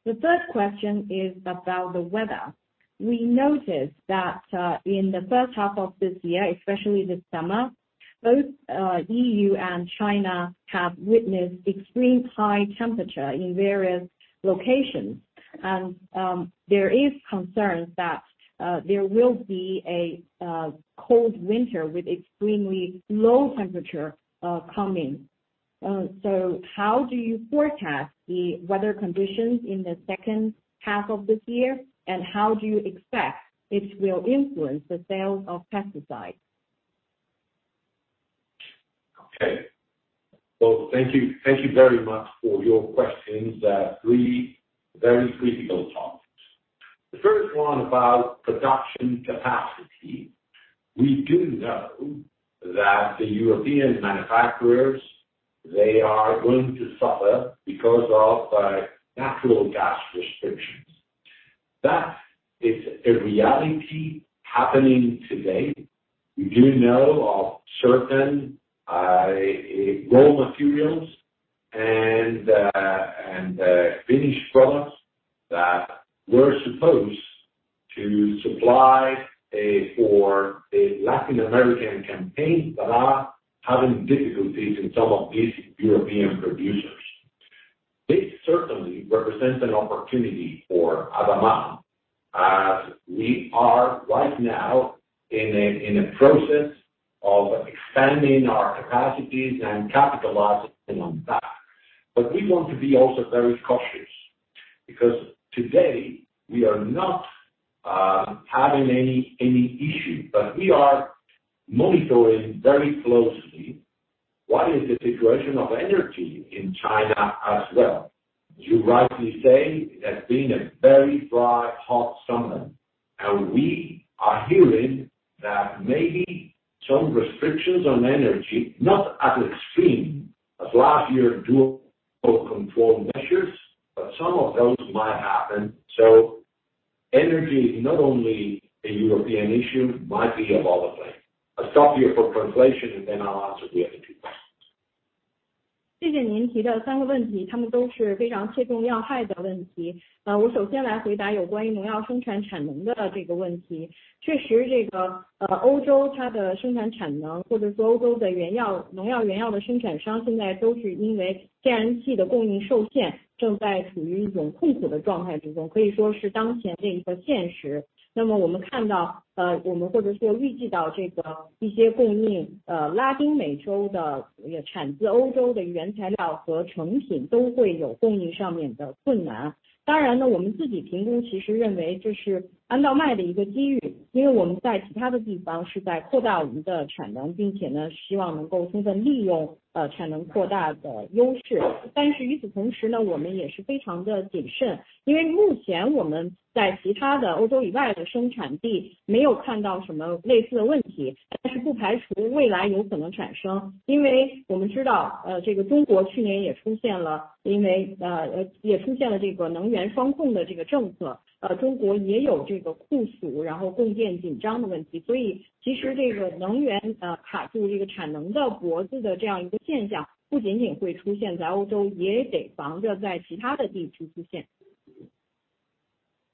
The third question is about the weather. We noticed that in the H1 of this year, especially this summer, both EU and China have witnessed extreme high temperature in various locations. There is concerns that there will be a cold winter with extremely low temperature coming. How do you forecast the weather conditions in the H2 of this year? And how do you expect it will influence the sales of pesticides? Okay, well, thank you. Thank you very much for your questions. There are three very critical topics. The first one about production capacity. We do know that the European manufacturers they are going to suffer because of natural gas restrictions. That is a reality happening today. We do know of certain raw materials and finished products that we're supposed to supply for a Latin American campaign that are having difficulties in some of these European producers. This certainly represents an opportunity for ADAMA as we are right now in a process of expanding our capacities and capitalizing on that. But we want to be also very cautious, because today we are not having any issue, but we are monitoring very closely what is the situation of energy in China as well. You rightly say it has been a very dry, hot summer, and we are hearing that maybe some restrictions on energy, not as extreme as last year dual control measures, but some of those might happen. So energy is not only a European issue, might be a global thing. I'll stop here for translation, and then I'll answer the other two questions.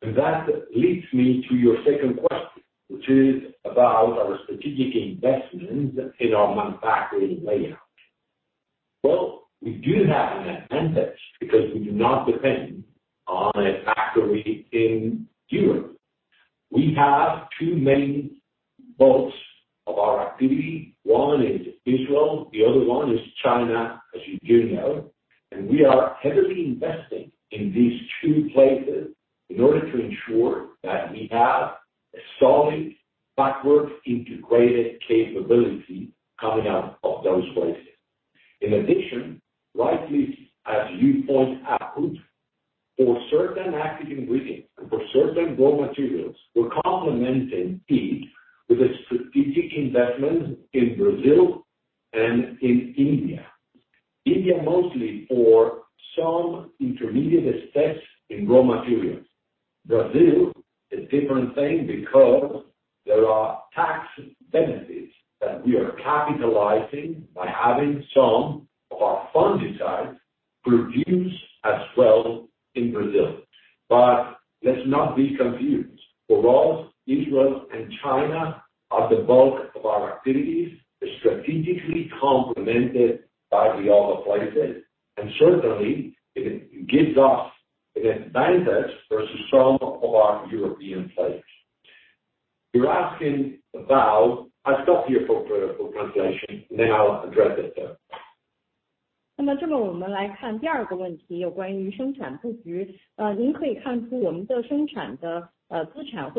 That leads me to your second question, which is about our strategic investments in our manufacturing layout. Well, we do have an advantage because we do not depend on a factory in Europe. We have two main bolts of our activity. One is Israel, the other one is China, as you do know, and we are heavily investing in these two places in order to ensure that we have a solid backward integrated capability coming out of those places. In addition, rightly, as you point out, for certain active ingredients, for certain raw materials, we're complementing it with a strategic investment in Brazil and in India. India, mostly for some intermediate steps in raw materials. Brazil is a different thing because there are tax benefits that we are capitalizing by having some of our fungicide produced as well in Brazil. Let's not be confused. For us, Israel and China are the bulk of our activities. They're strategically complemented by the other places, and certainly it gives us an advantage versus some of our European players. You're asking about. I stop here for translation. Now address it.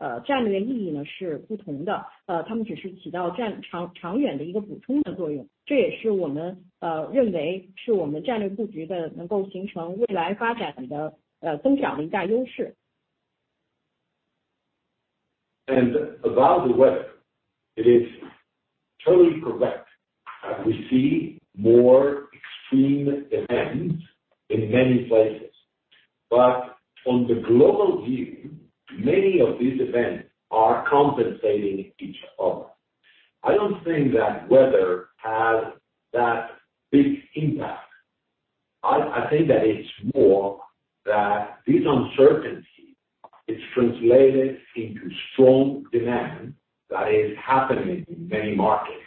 About the weather. It is totally correct that we see more extreme events in many places, but on the global view, many of these events are compensating each other. I don't think that weather has that big impact. I think that it's more that this uncertainty is translated into strong demand that is happening in many markets.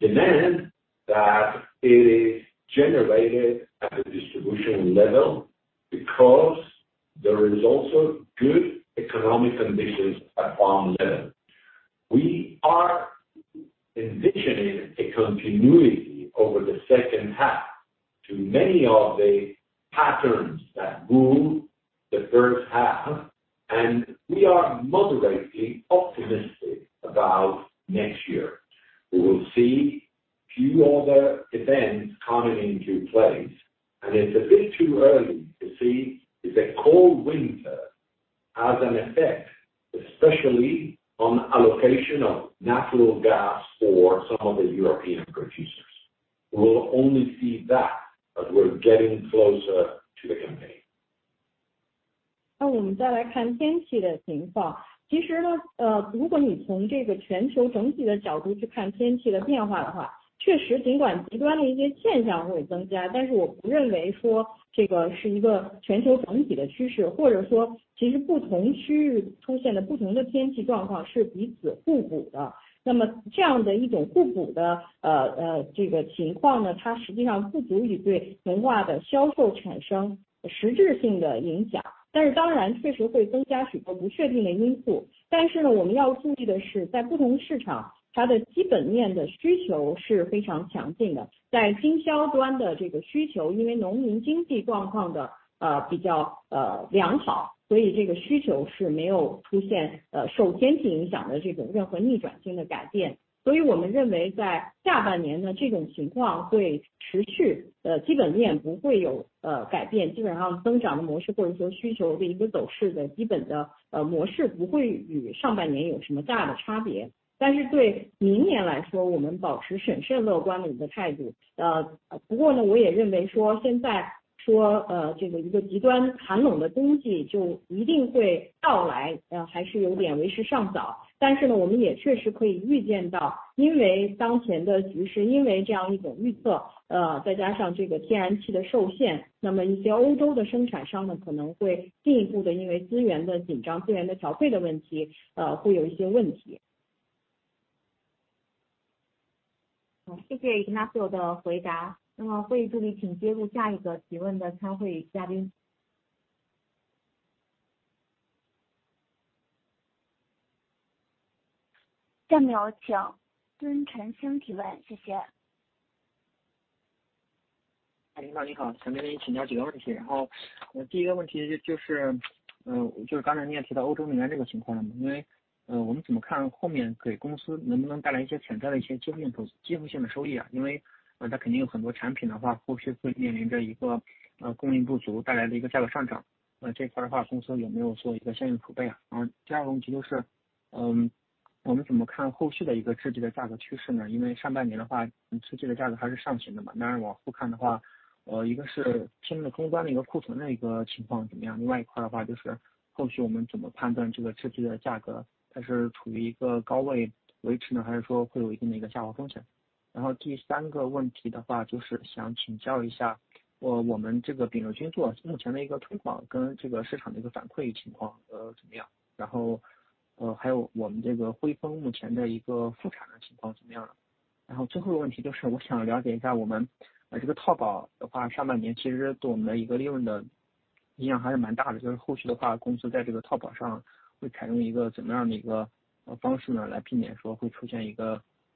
Demand that is generated at the distribution level because there is also good economic conditions at farm level. We are envisioning a continuity over the H2 to many of the patterns that rule the H1, and we are moderately optimistic about next year. We will see few other events coming into place and it's a bit too early to see if the cold winter has an effect, especially on allocation of natural gas for some of the European producers. We'll only see that as we're getting closer to the campaign.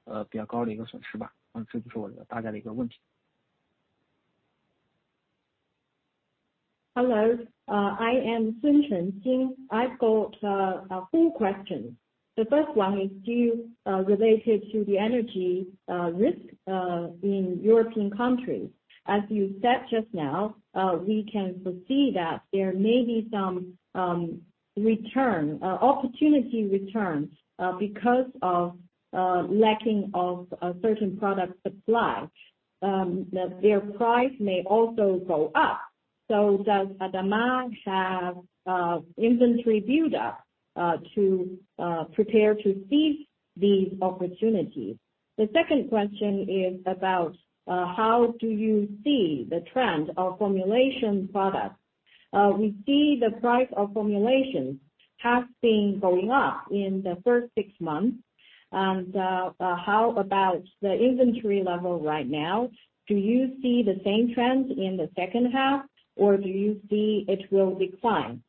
Hello, I am Sun Chenxing. I've got four questions. The first one is are you related to the energy risk in European countries as you said just now, we can foresee that there may be some return opportunities because of lack of certain product supply that their price may also go up, so does ADAMA have inventory buildup to prepare to seize these opportunities. The second question is about how do you see the trend of formulation products? We see the price of formulations has been going up in the first six months, and how about the inventory level right now? Do you see the same trends in the H2, or do you see it will decline?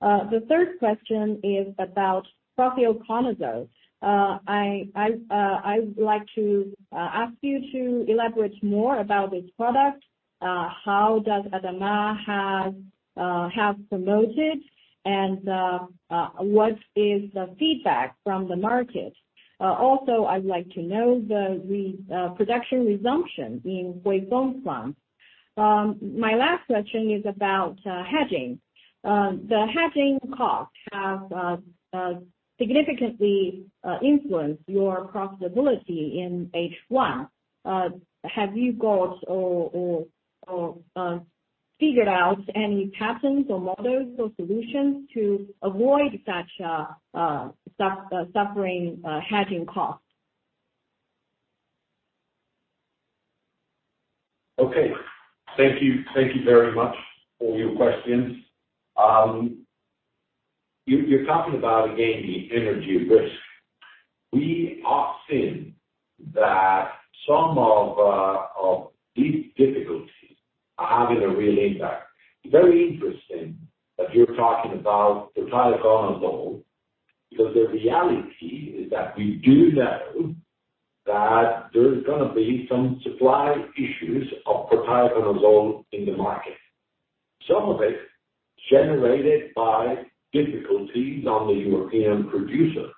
The third question is about prothioconazole. I'd like to ask you to elaborate more about this product, how ADAMA has promoted, and what is the feedback from the market? Also I'd like to know the production resumption in Huifeng plant. My last question is about hedging. The hedging cost has significantly influence your profitability in H1. Have you got figured out any patterns or models or solutions to avoid such a suffering hedging cost? Okay, thank you, thank you very much for your questions. You're talking about again the energy risk. We are seeing that some of these difficulties are having a real impact. Very interesting that you're talking about prothioconazole, because the reality is that we do know that there's going to be some supply issues of prothioconazole in the market, some of it generated by difficulties on the European producer.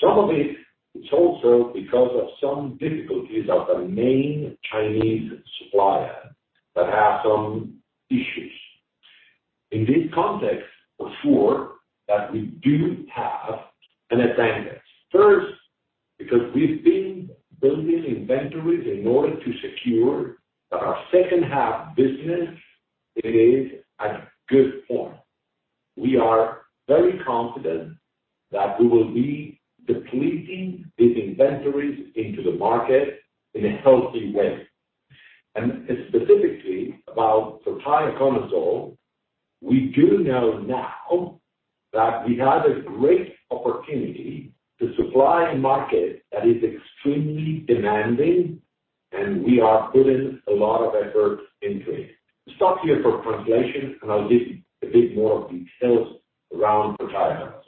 Some of it is also because of some difficulties of the main Chinese supplier that have some issues. In this context, sure that we do have an advantage. First, because we've been building inventories in order to secure our H2 business is at good form. We are very confident that we will be depleting these inventories into the market in a healthy way. Specifically about prothioconazole, we do know now that we have a great opportunity to supply market that is extremely demanding and we are putting a lot of effort into it. Stop here for translation, and I'll give a bit more details around prothioconazole.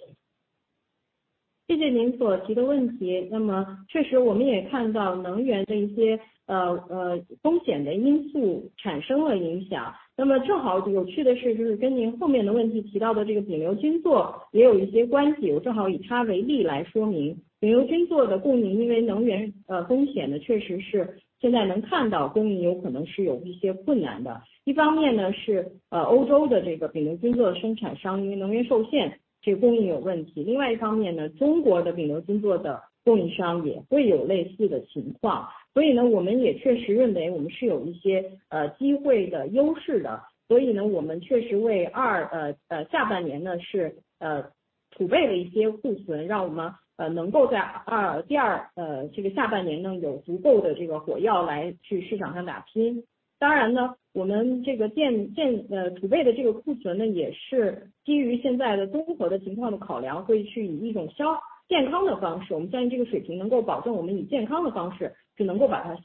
Specifically about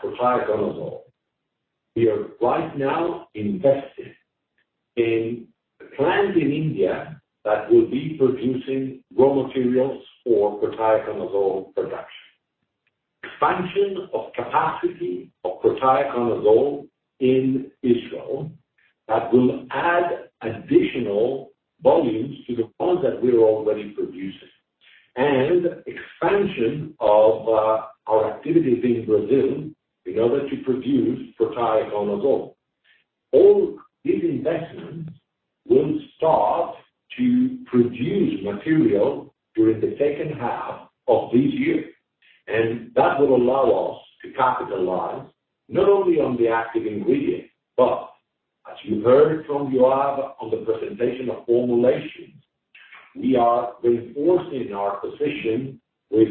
prothioconazole. We are right now investing in the plant in India that will be producing raw materials for prothioconazole production. Expansion of capacity of prothioconazole in Israel that will add additional volumes to the ones that we are already producing. Expansion of our activities in Brazil in order to produce prothioconazole. All these investments will start to produce material during the H2 of this year, and that will allow us to capitalize not only on the active ingredient, but as you heard from Yoav on the presentation of formulations, we are reinforcing our position with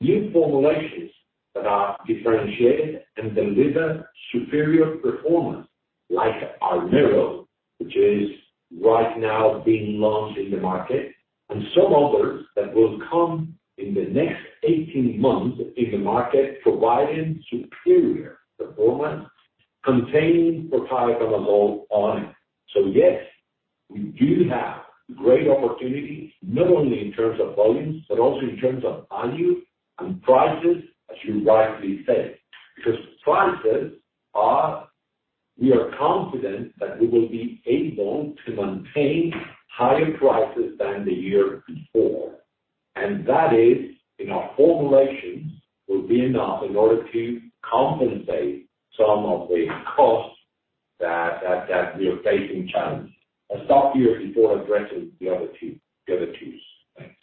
new formulations that are differentiated and deliver superior performance, like Armero, which is right now being launched in the market and some others that will come in the next 18 months in the market providing superior performance containing prothioconazole on it. Yes, we do have great opportunities not only in terms of volumes, but also in terms of value and prices, as you rightly said, because prices, we are confident that we will be able to maintain higher prices than the year before, and that is in our formulations will be enough in order to compensate some of the costs that we are facing challenges. I'll stop here before addressing the other two. Thanks.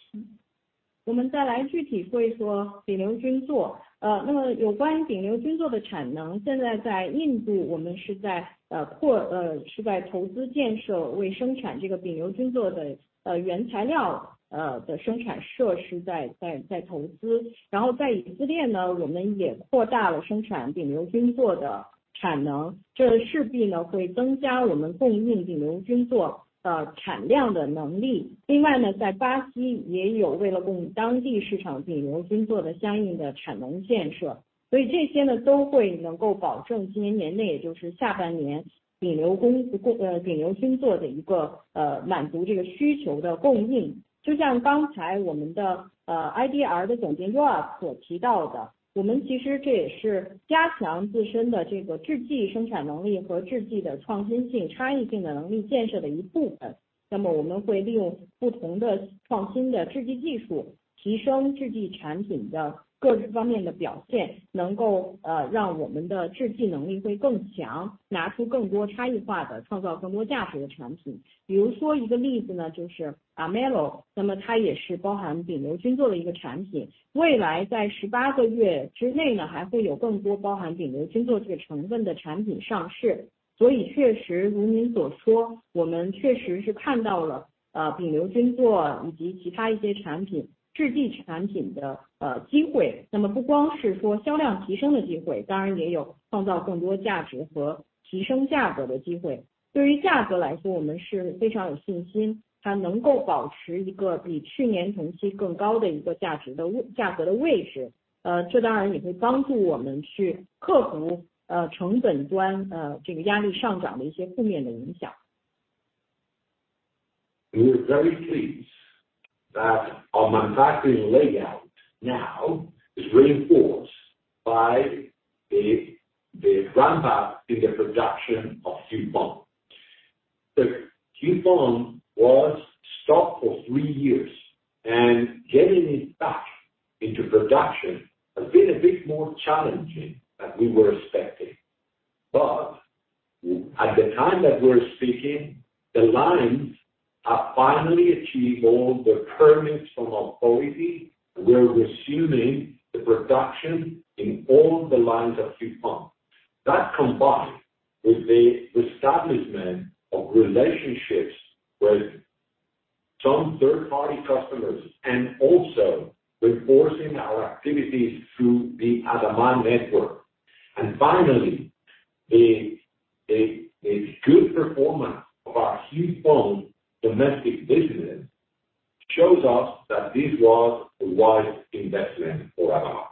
We are very pleased that our manufacturing layout now is reinforced by the ramp up in the production of Huifeng. The Huifeng was stopped for three years and getting it back into production has been a bit more challenging than we were expecting. At the time that we're speaking, the lines have finally achieved all the permits from authority. We're resuming the production in all the lines of Huifeng, combined with the establishment of relationships with some third party customers and also reinforcing our activities through the ADAMA network. Finally, a good performance of our Huifeng domestic business shows us that this was a wise investment for ADAMA.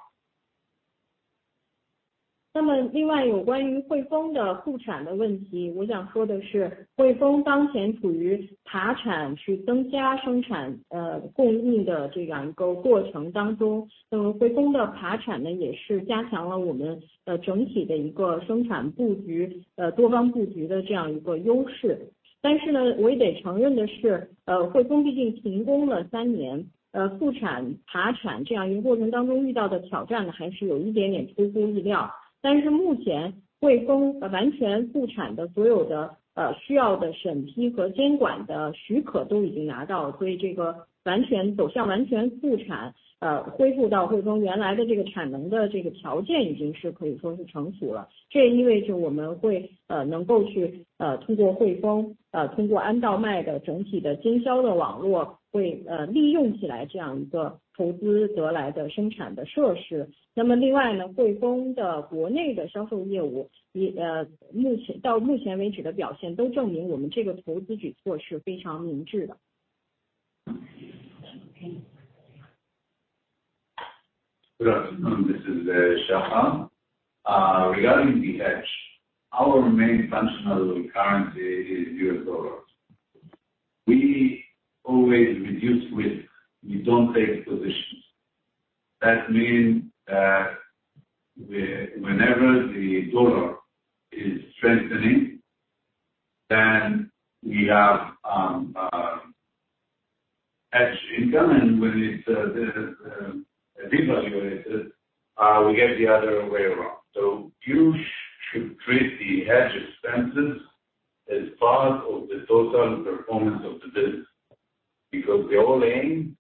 This is Efrat. Regarding the hedge, our main functional currency is US dollars. We always reduce risk. We don't take positions. That means that whenever the dollar is strengthening, then we have as income and when it's devalued, we get the other way around. You should treat the hedge expenses as part of the total performance of the business, because our aim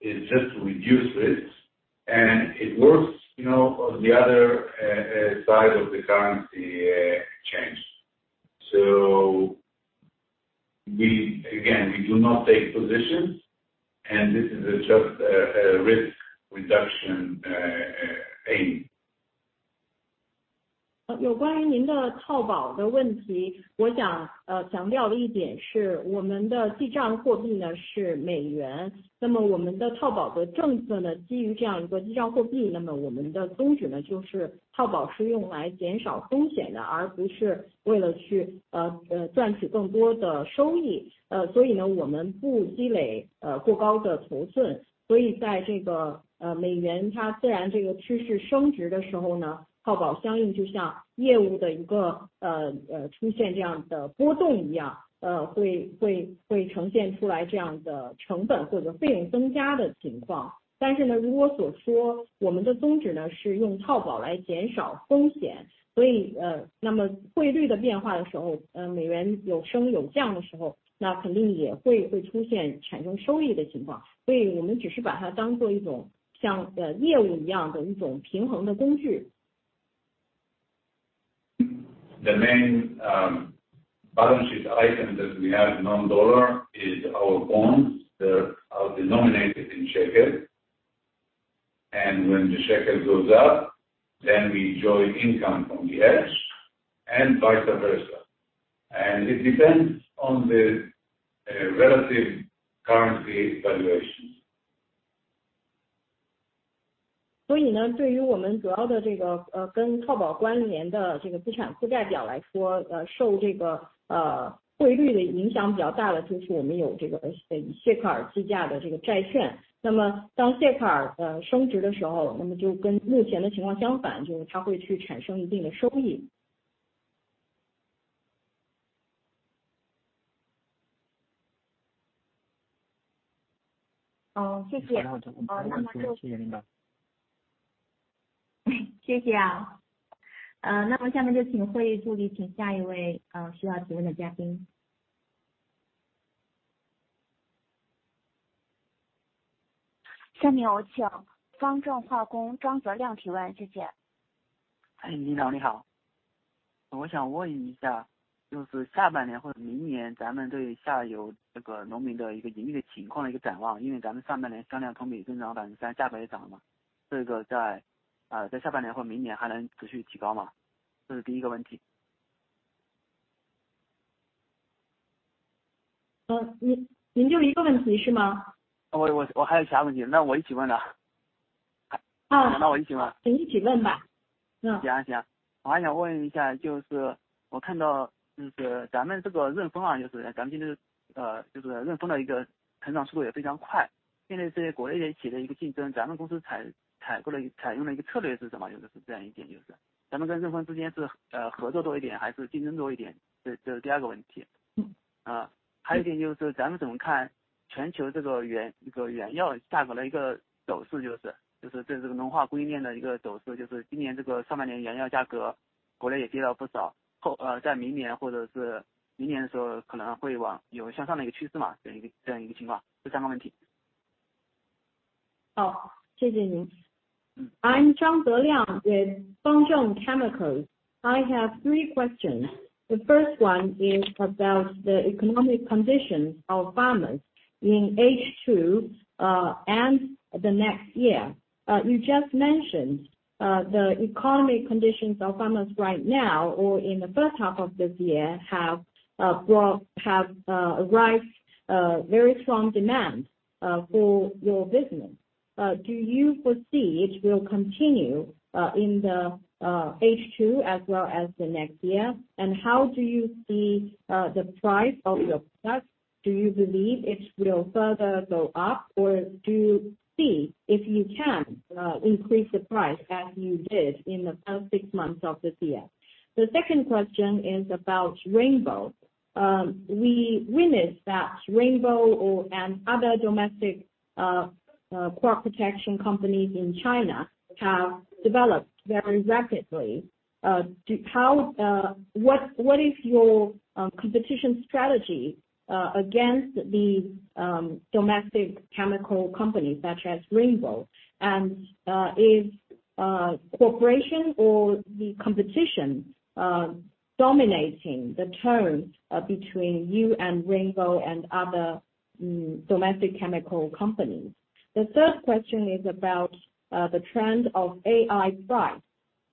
is just to reduce risks and it works, you know, on the other side of the currency change. We again, we do not take positions and this is just a risk reduction aim. The main balance sheet item that we have non-dollar is our bonds that are denominated in shekel. When the shekel goes up, then we enjoy income from the hedge and vice versa. It depends on the relative currency valuations. 所以，对于我们主要的跟套保关联的这个资产负债表来说，受汇率的影响比较大的就是我们有谢克尔计价的这个债券。那么当谢克尔升值的时候，那么就跟目前的情况相反，就是它会去产生一定的收益。谢谢。那么就—— 谢谢您吧。谢谢。那么下面就请会议助理请下一位需要提问的嘉宾。下面我请方正证券张泽亮提问。谢谢。Ah. 那我一起问。请一起问吧。我还想问一下，就是我看到咱们这个润丰，就是咱们这个润丰的一个成长速度也非常快，面对这些国外企业的竞争，咱们公司采用的一个策略是什么？就是这样一点，就是咱们跟润丰之间是合作多一点还是竞争多一点？这是第二个问题。Mm-hmm. 还有一点就是咱们怎么看全球这个原油价格的一个走势，就是这个农化供应链的一个走势，就是今年这个上半年原油价格国内也跌了不少，在明年或者是明年的时候，可能会往向上的一个趋势吗？这样一个情况，这三个问题。Thank you. I'm Zheng Zhang with Founder Securities. I have three questions. The first one is about the economic conditions of farmers in H2 and the next year. You just mentioned the economic conditions of farmers right now or in the H1 of this year have brought very strong demand for your business. Do you foresee it will continue in the H2 as well as the next year? And how do you see the price of your products? Do you believe it will further go up? Or do you see if you can increase the price as you did in the first six months of this year? The second question is about Rainbow. We witness that Rainbow and other domestic crop protection companies in China have developed very rapidly. What is your competition strategy against these domestic chemical companies such as Rainbow? Is cooperation or the competition dominating the terms between you and Rainbow and other domestic chemical companies? The third question is about the trend of AI price.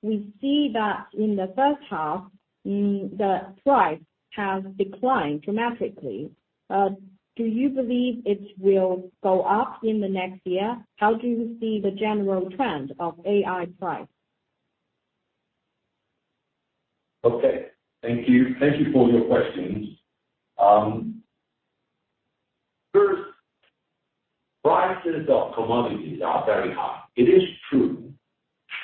We see that in the H1, the price has declined dramatically. Do you believe it will go up in the next year? How do you see the general trend of AI price? Okay, thank you. Thank you for your questions. First, prices of commodities are very high. It is true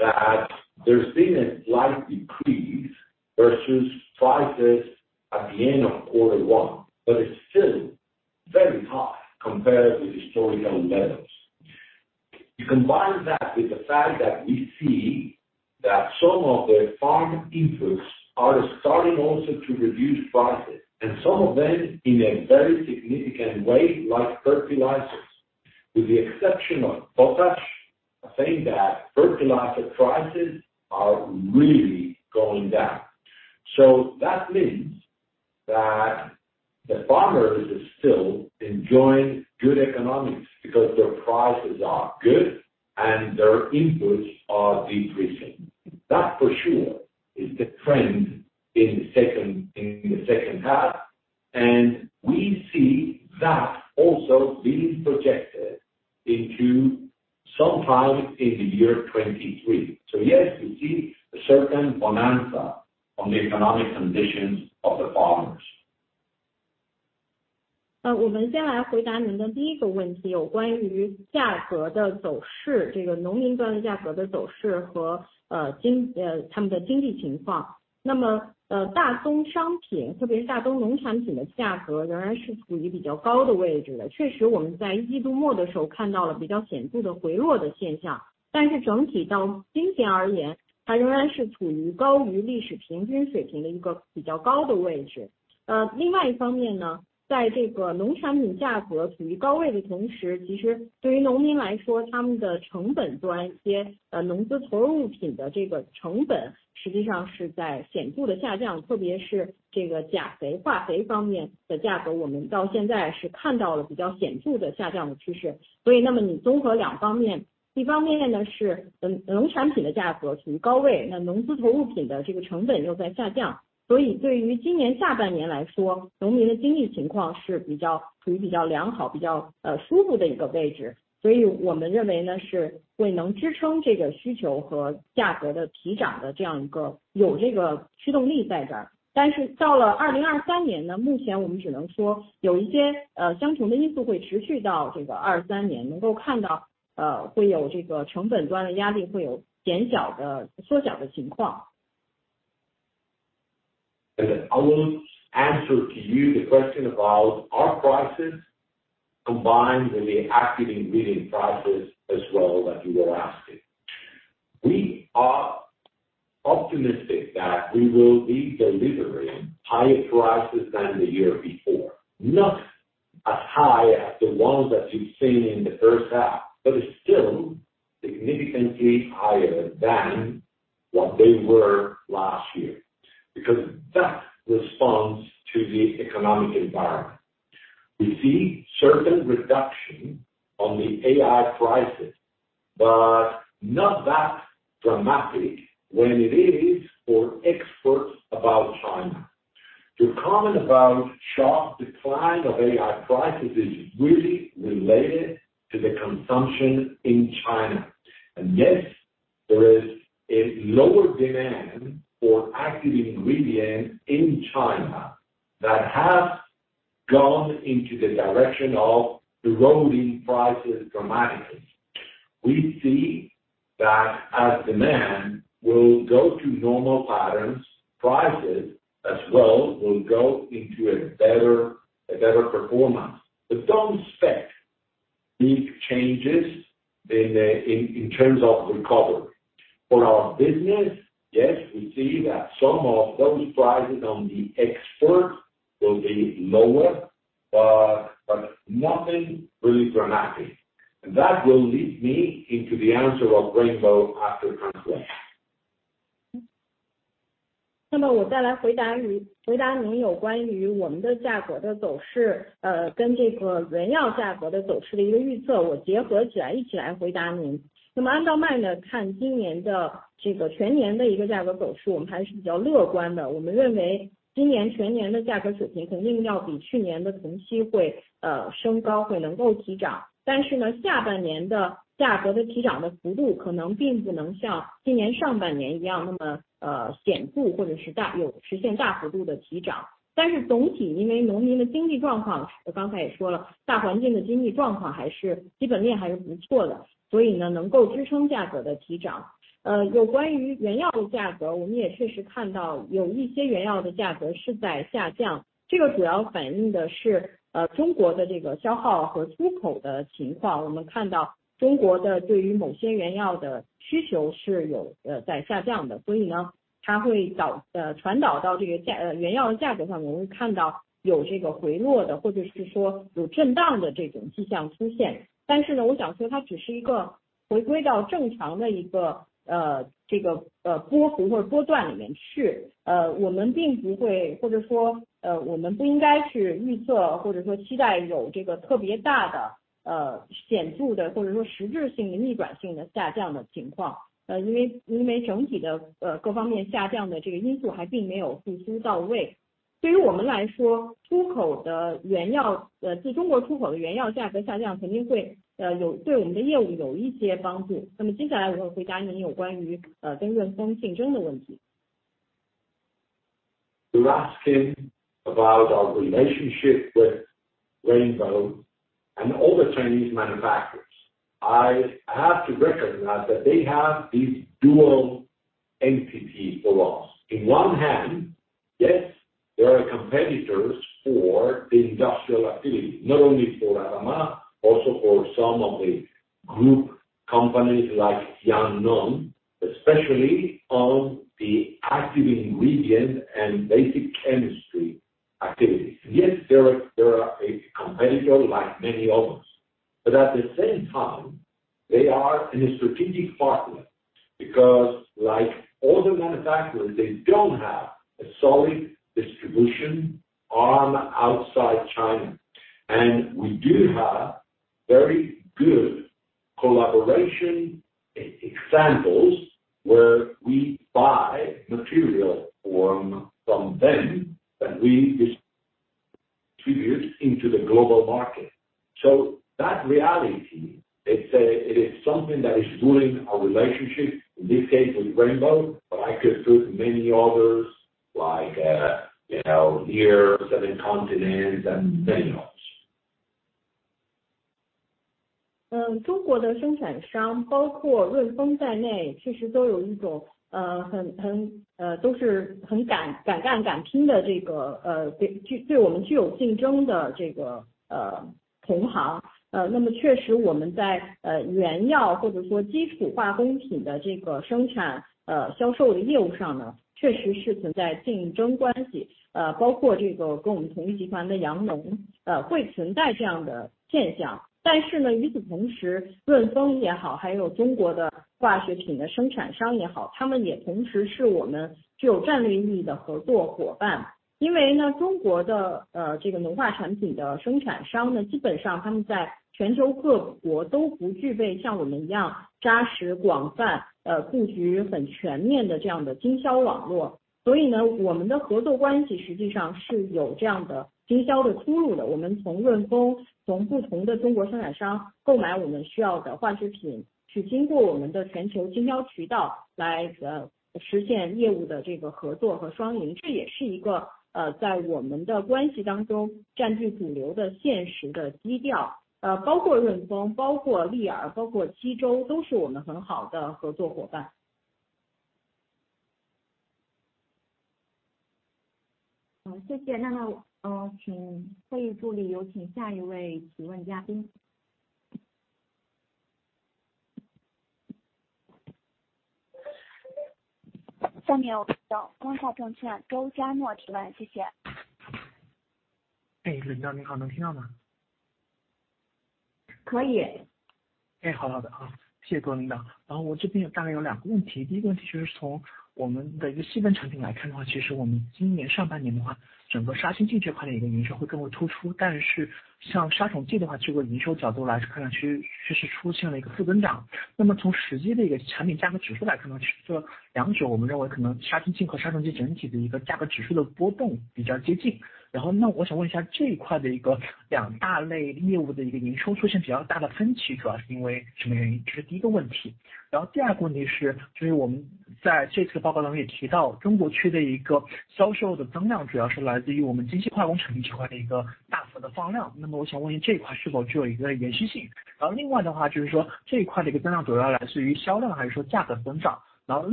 that there's been a slight decrease versus prices at the end of quarter one, but it's still very high compared with historical levels. You combine that with the fact that we see that some of the farm inputs are starting also to reduce prices and some of them in a very significant way, like fertilizers. With the exception of potash, I think that fertilizer prices are really going down. That means that the farmers are still enjoying good economics because their prices are good and their inputs are decreasing. That for sure is the trend in the H2. We see that also being projected into sometime in the year 2023. Yes, we see a certain bonanza on the economic conditions of the farmers. I will answer to you the question about our prices combined with the active ingredient prices as well, like you were asking. We are optimistic that we will be delivering higher prices than the year before, not as high as the ones that you've seen in the H1, but it's still significantly higher than what they were last year, because that responds to the economic environment. We see certain reduction on the AI prices, but not that dramatic when it is for exports from China. The sharp decline of AI prices is really related to the consumption in China. Yes, there is a lower demand for active ingredient in China that has gone into the direction of eroding prices dramatically. We see that, as demand will go to normal patterns, prices as well will go into a better performance. Don't expect big changes in terms of recovery. For our business, yes, we see that some of those prices on the export will be lower, but nothing really dramatic. That will lead me into the answer of Rainbow after translation. You ask him about our relationship with Rainbow and all the Chinese manufacturers. I have to recognize that they have these dual entities for us. On one hand, yes, there are competitors for the industrial activity, not only for ADAMA, also for some of the group companies like Yangnong, especially on the active ingredient and basic chemistry activities. Yes, there are a competitor like many others, but at the same time they are a strategic partner because like all the manufacturers, they don't have a solid distribution arm outside China. We do have very good collaboration examples where we buy material from them that we distribute into the global market. That reality is, it is something that is ruling our relationship in this case with Rainbow. I could put many others like, you know, here Qizhou and many others. 好，谢谢。那么，请会议助理有请下一位提问嘉宾。下面我们请到国大证券周佳诺提问。谢谢。领导你好，能听到吗？ 可以。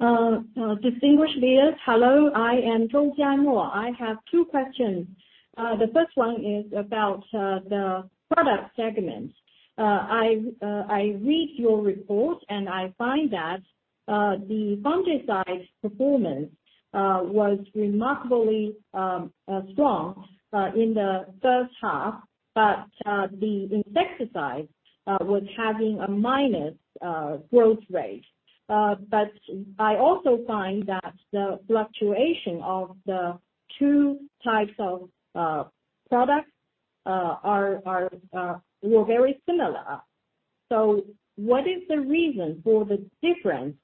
Distinguished leaders, hello. I am 周佳诺. I have two questions. The first one is about the product segments. I've read your report and I find that the fungicide performance was remarkably strong in the H1. The insecticide was having a minus growth rate. I also find that the fluctuation of the two types of products was very similar. What is the reason for the difference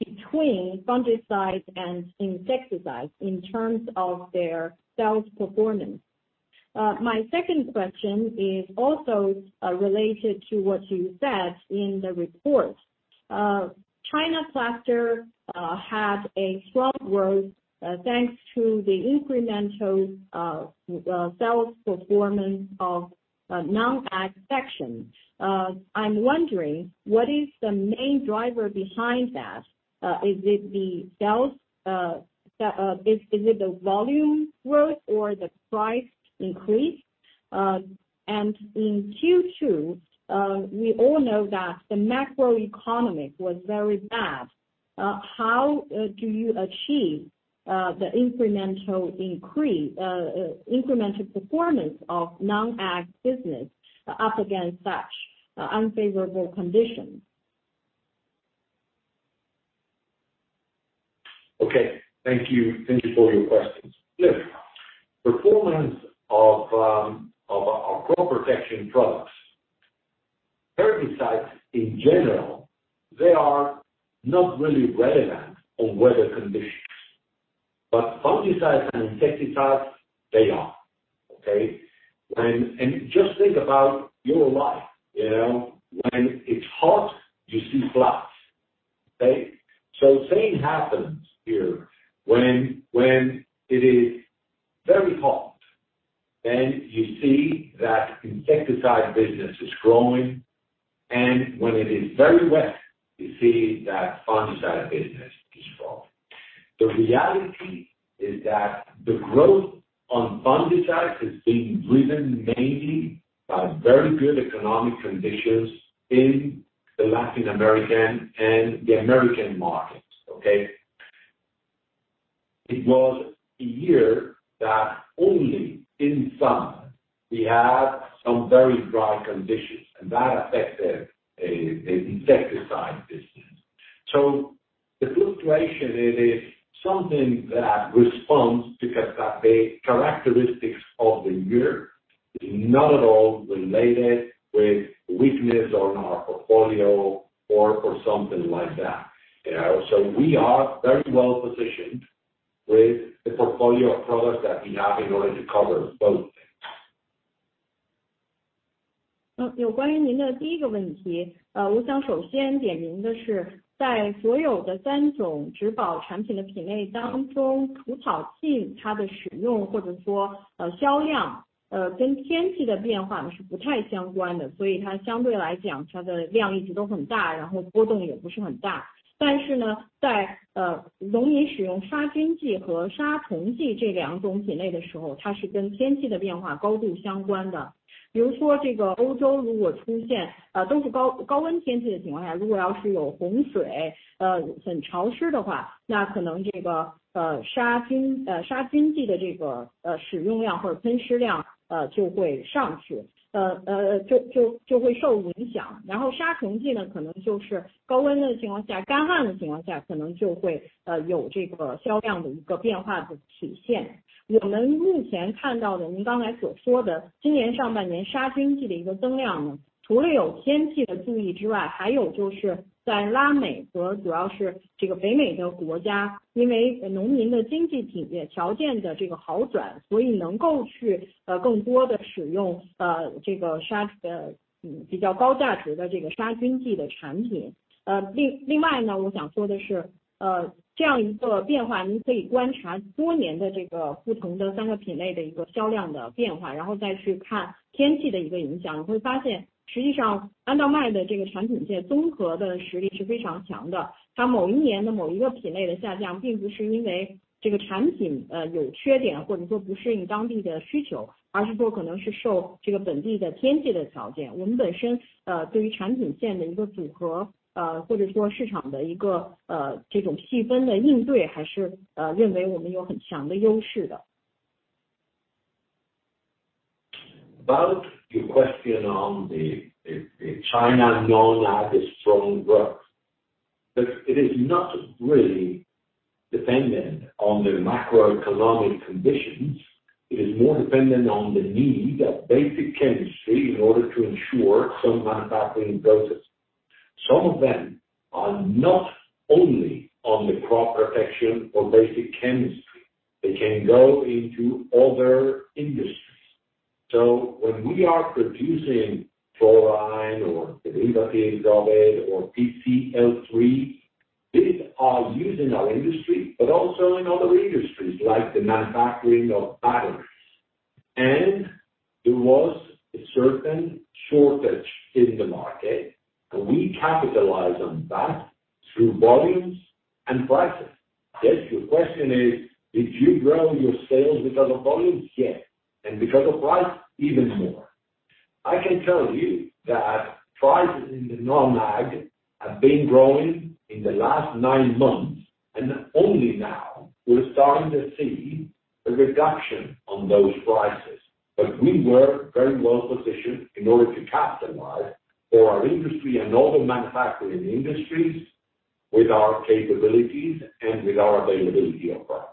between fungicides and insecticides in terms of their sales performance? My second question is also related to what you said in the report. China platform had a strong growth thanks to the incremental sales performance of non-ag section. I'm wondering what is the main driver behind that? Is it the sales? Is it the volume growth or the price increase? In Q2, we all know that the macro economy was very bad. How do you achieve the incremental performance of non-ag business up against such unfavorable conditions? Thank you for your questions. Performance of our crop protection products. Herbicides in general, they are not really relevant on weather conditions, but fungicides and insecticides they are. Okay? Just think about your life, you know, when it's hot, you see floods. Okay? Same happens here when it is very hot, then you see that insecticide business is growing, and when it is very wet, you see that fungicide business is growing. The reality is that the growth on fungicides is being driven mainly by very good economic conditions in the Latin American and the American market. Okay? It was a year that only in summer we had some very dry conditions and that affected the insecticide business. The fluctuation it is something that responds to the characteristics of the year. It is not at all related with weakness on our portfolio or for something like that, you know. We are very well positioned with the portfolio of products that we have in order to cover both. About the question on the China non-ag is strong growth. It is not really dependent on the macroeconomic conditions, it is more dependent on the need of basic chemistry in order to ensure some manufacturing process. Some of them are not only on the crop protection or basic chemistry, they can go into other industries. When we are producing fluorine or derivatives of it or PCl3, these are used in our industry but also in other industries like the manufacturing of batteries. There was a certain shortage in the market and we capitalize on that through volumes and prices. If your question is did you grow your sales because of volumes? Yes. Because of price? Even more. I can tell you that prices in the non-ag have been growing in the last nine months, and only now we're starting to see a reduction on those prices. We were very well positioned in order to capitalize for our industry and other manufacturing industries with our capabilities and with our availability of products.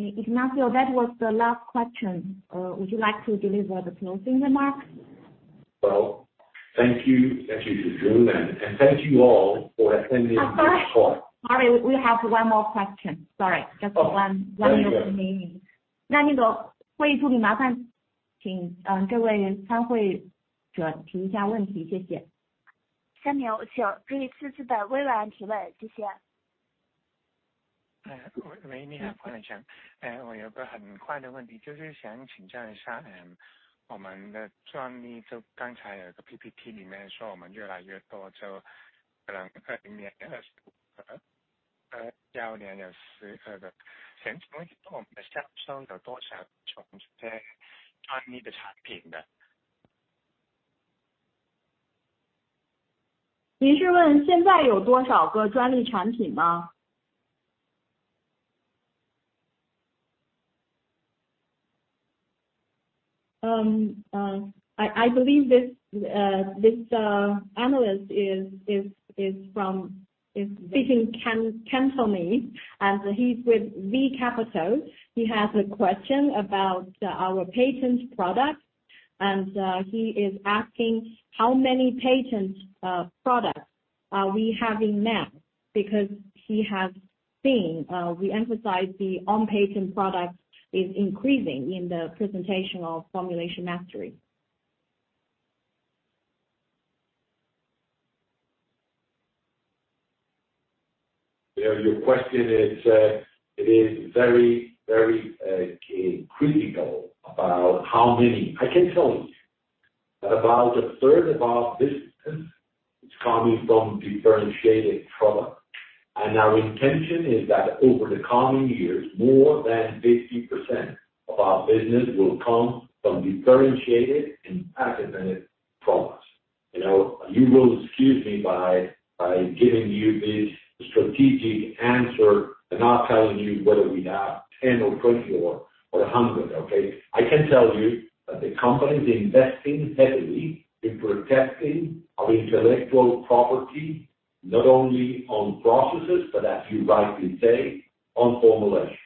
大家好，直接提问，请在话机上按星号键后，再按三号键，再按数字一键。谢谢。Ignacio, that was the last question. Would you like to deliver the closing remarks? Well, thank you. Thank you Zhi Guo. Thank you all for attending. Sorry, we have one more question. Sorry, just one. Oh. 那个会议助理，麻烦请这位参会者提一下问题，谢谢。三秒后请这一次次的微软提问，谢谢。I believe this analyst is speaking Cantonese and he's with V Capital. He has a question about our patent product, and he is asking how many patent products are we having now? Because he has seen we emphasize the on-patent product is increasing in the presentation of formulation mastery. Yeah, your question is, it is very critical about how many. I can tell you about a third of our business is coming from differentiated product. Our intention is that over the coming years, more than 50% of our business will come from differentiated and patented products. You know, you will excuse me by giving you this strategic answer and not telling you whether we have 10% or 20% or 100%. Okay? I can tell you that the company is investing heavily in protecting our intellectual property, not only on processes, but as you rightly say, on formulations.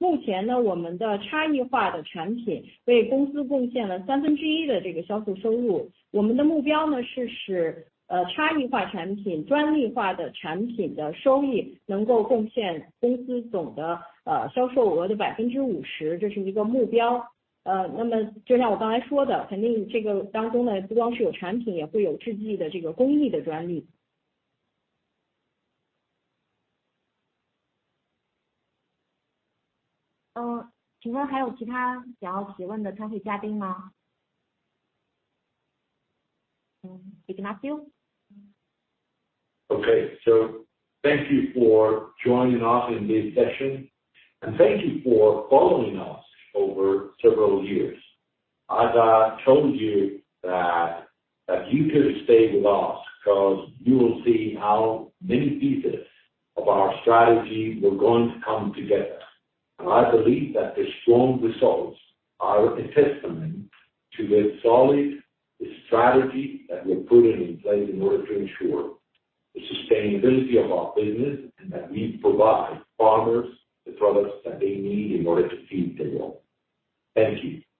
首先，鉴于披露的原因，我不会给您一个具体的多少个的数字，原因也是因为我们的专利不光是针对产品，也是有针对生产工艺、制剂工艺的专利。但是，我可以告诉您两个数字是这样：目前，我们的差异化的产品为公司贡献了三分之一的销售收入。我们的目标是使差异化产品、专利化的产品的收益能够贡献公司总的销售额的50%，这是一个目标。那么就像我刚才说的，肯定这个当中不光是有产品，也会有制剂的工艺的专利。请问还有其他想要提问的参会嘉宾吗？Ignacio。Okay. Thank you for joining us in this session and thank you for following us over several years. As I told you that you could stay with us because you will see how many pieces of our strategy were going to come together. I believe that the strong results are a testament to the solid strategy that we're putting in place in order to ensure the sustainability of our business, and that we provide farmers the products that they need in order to feed the world. Thank you.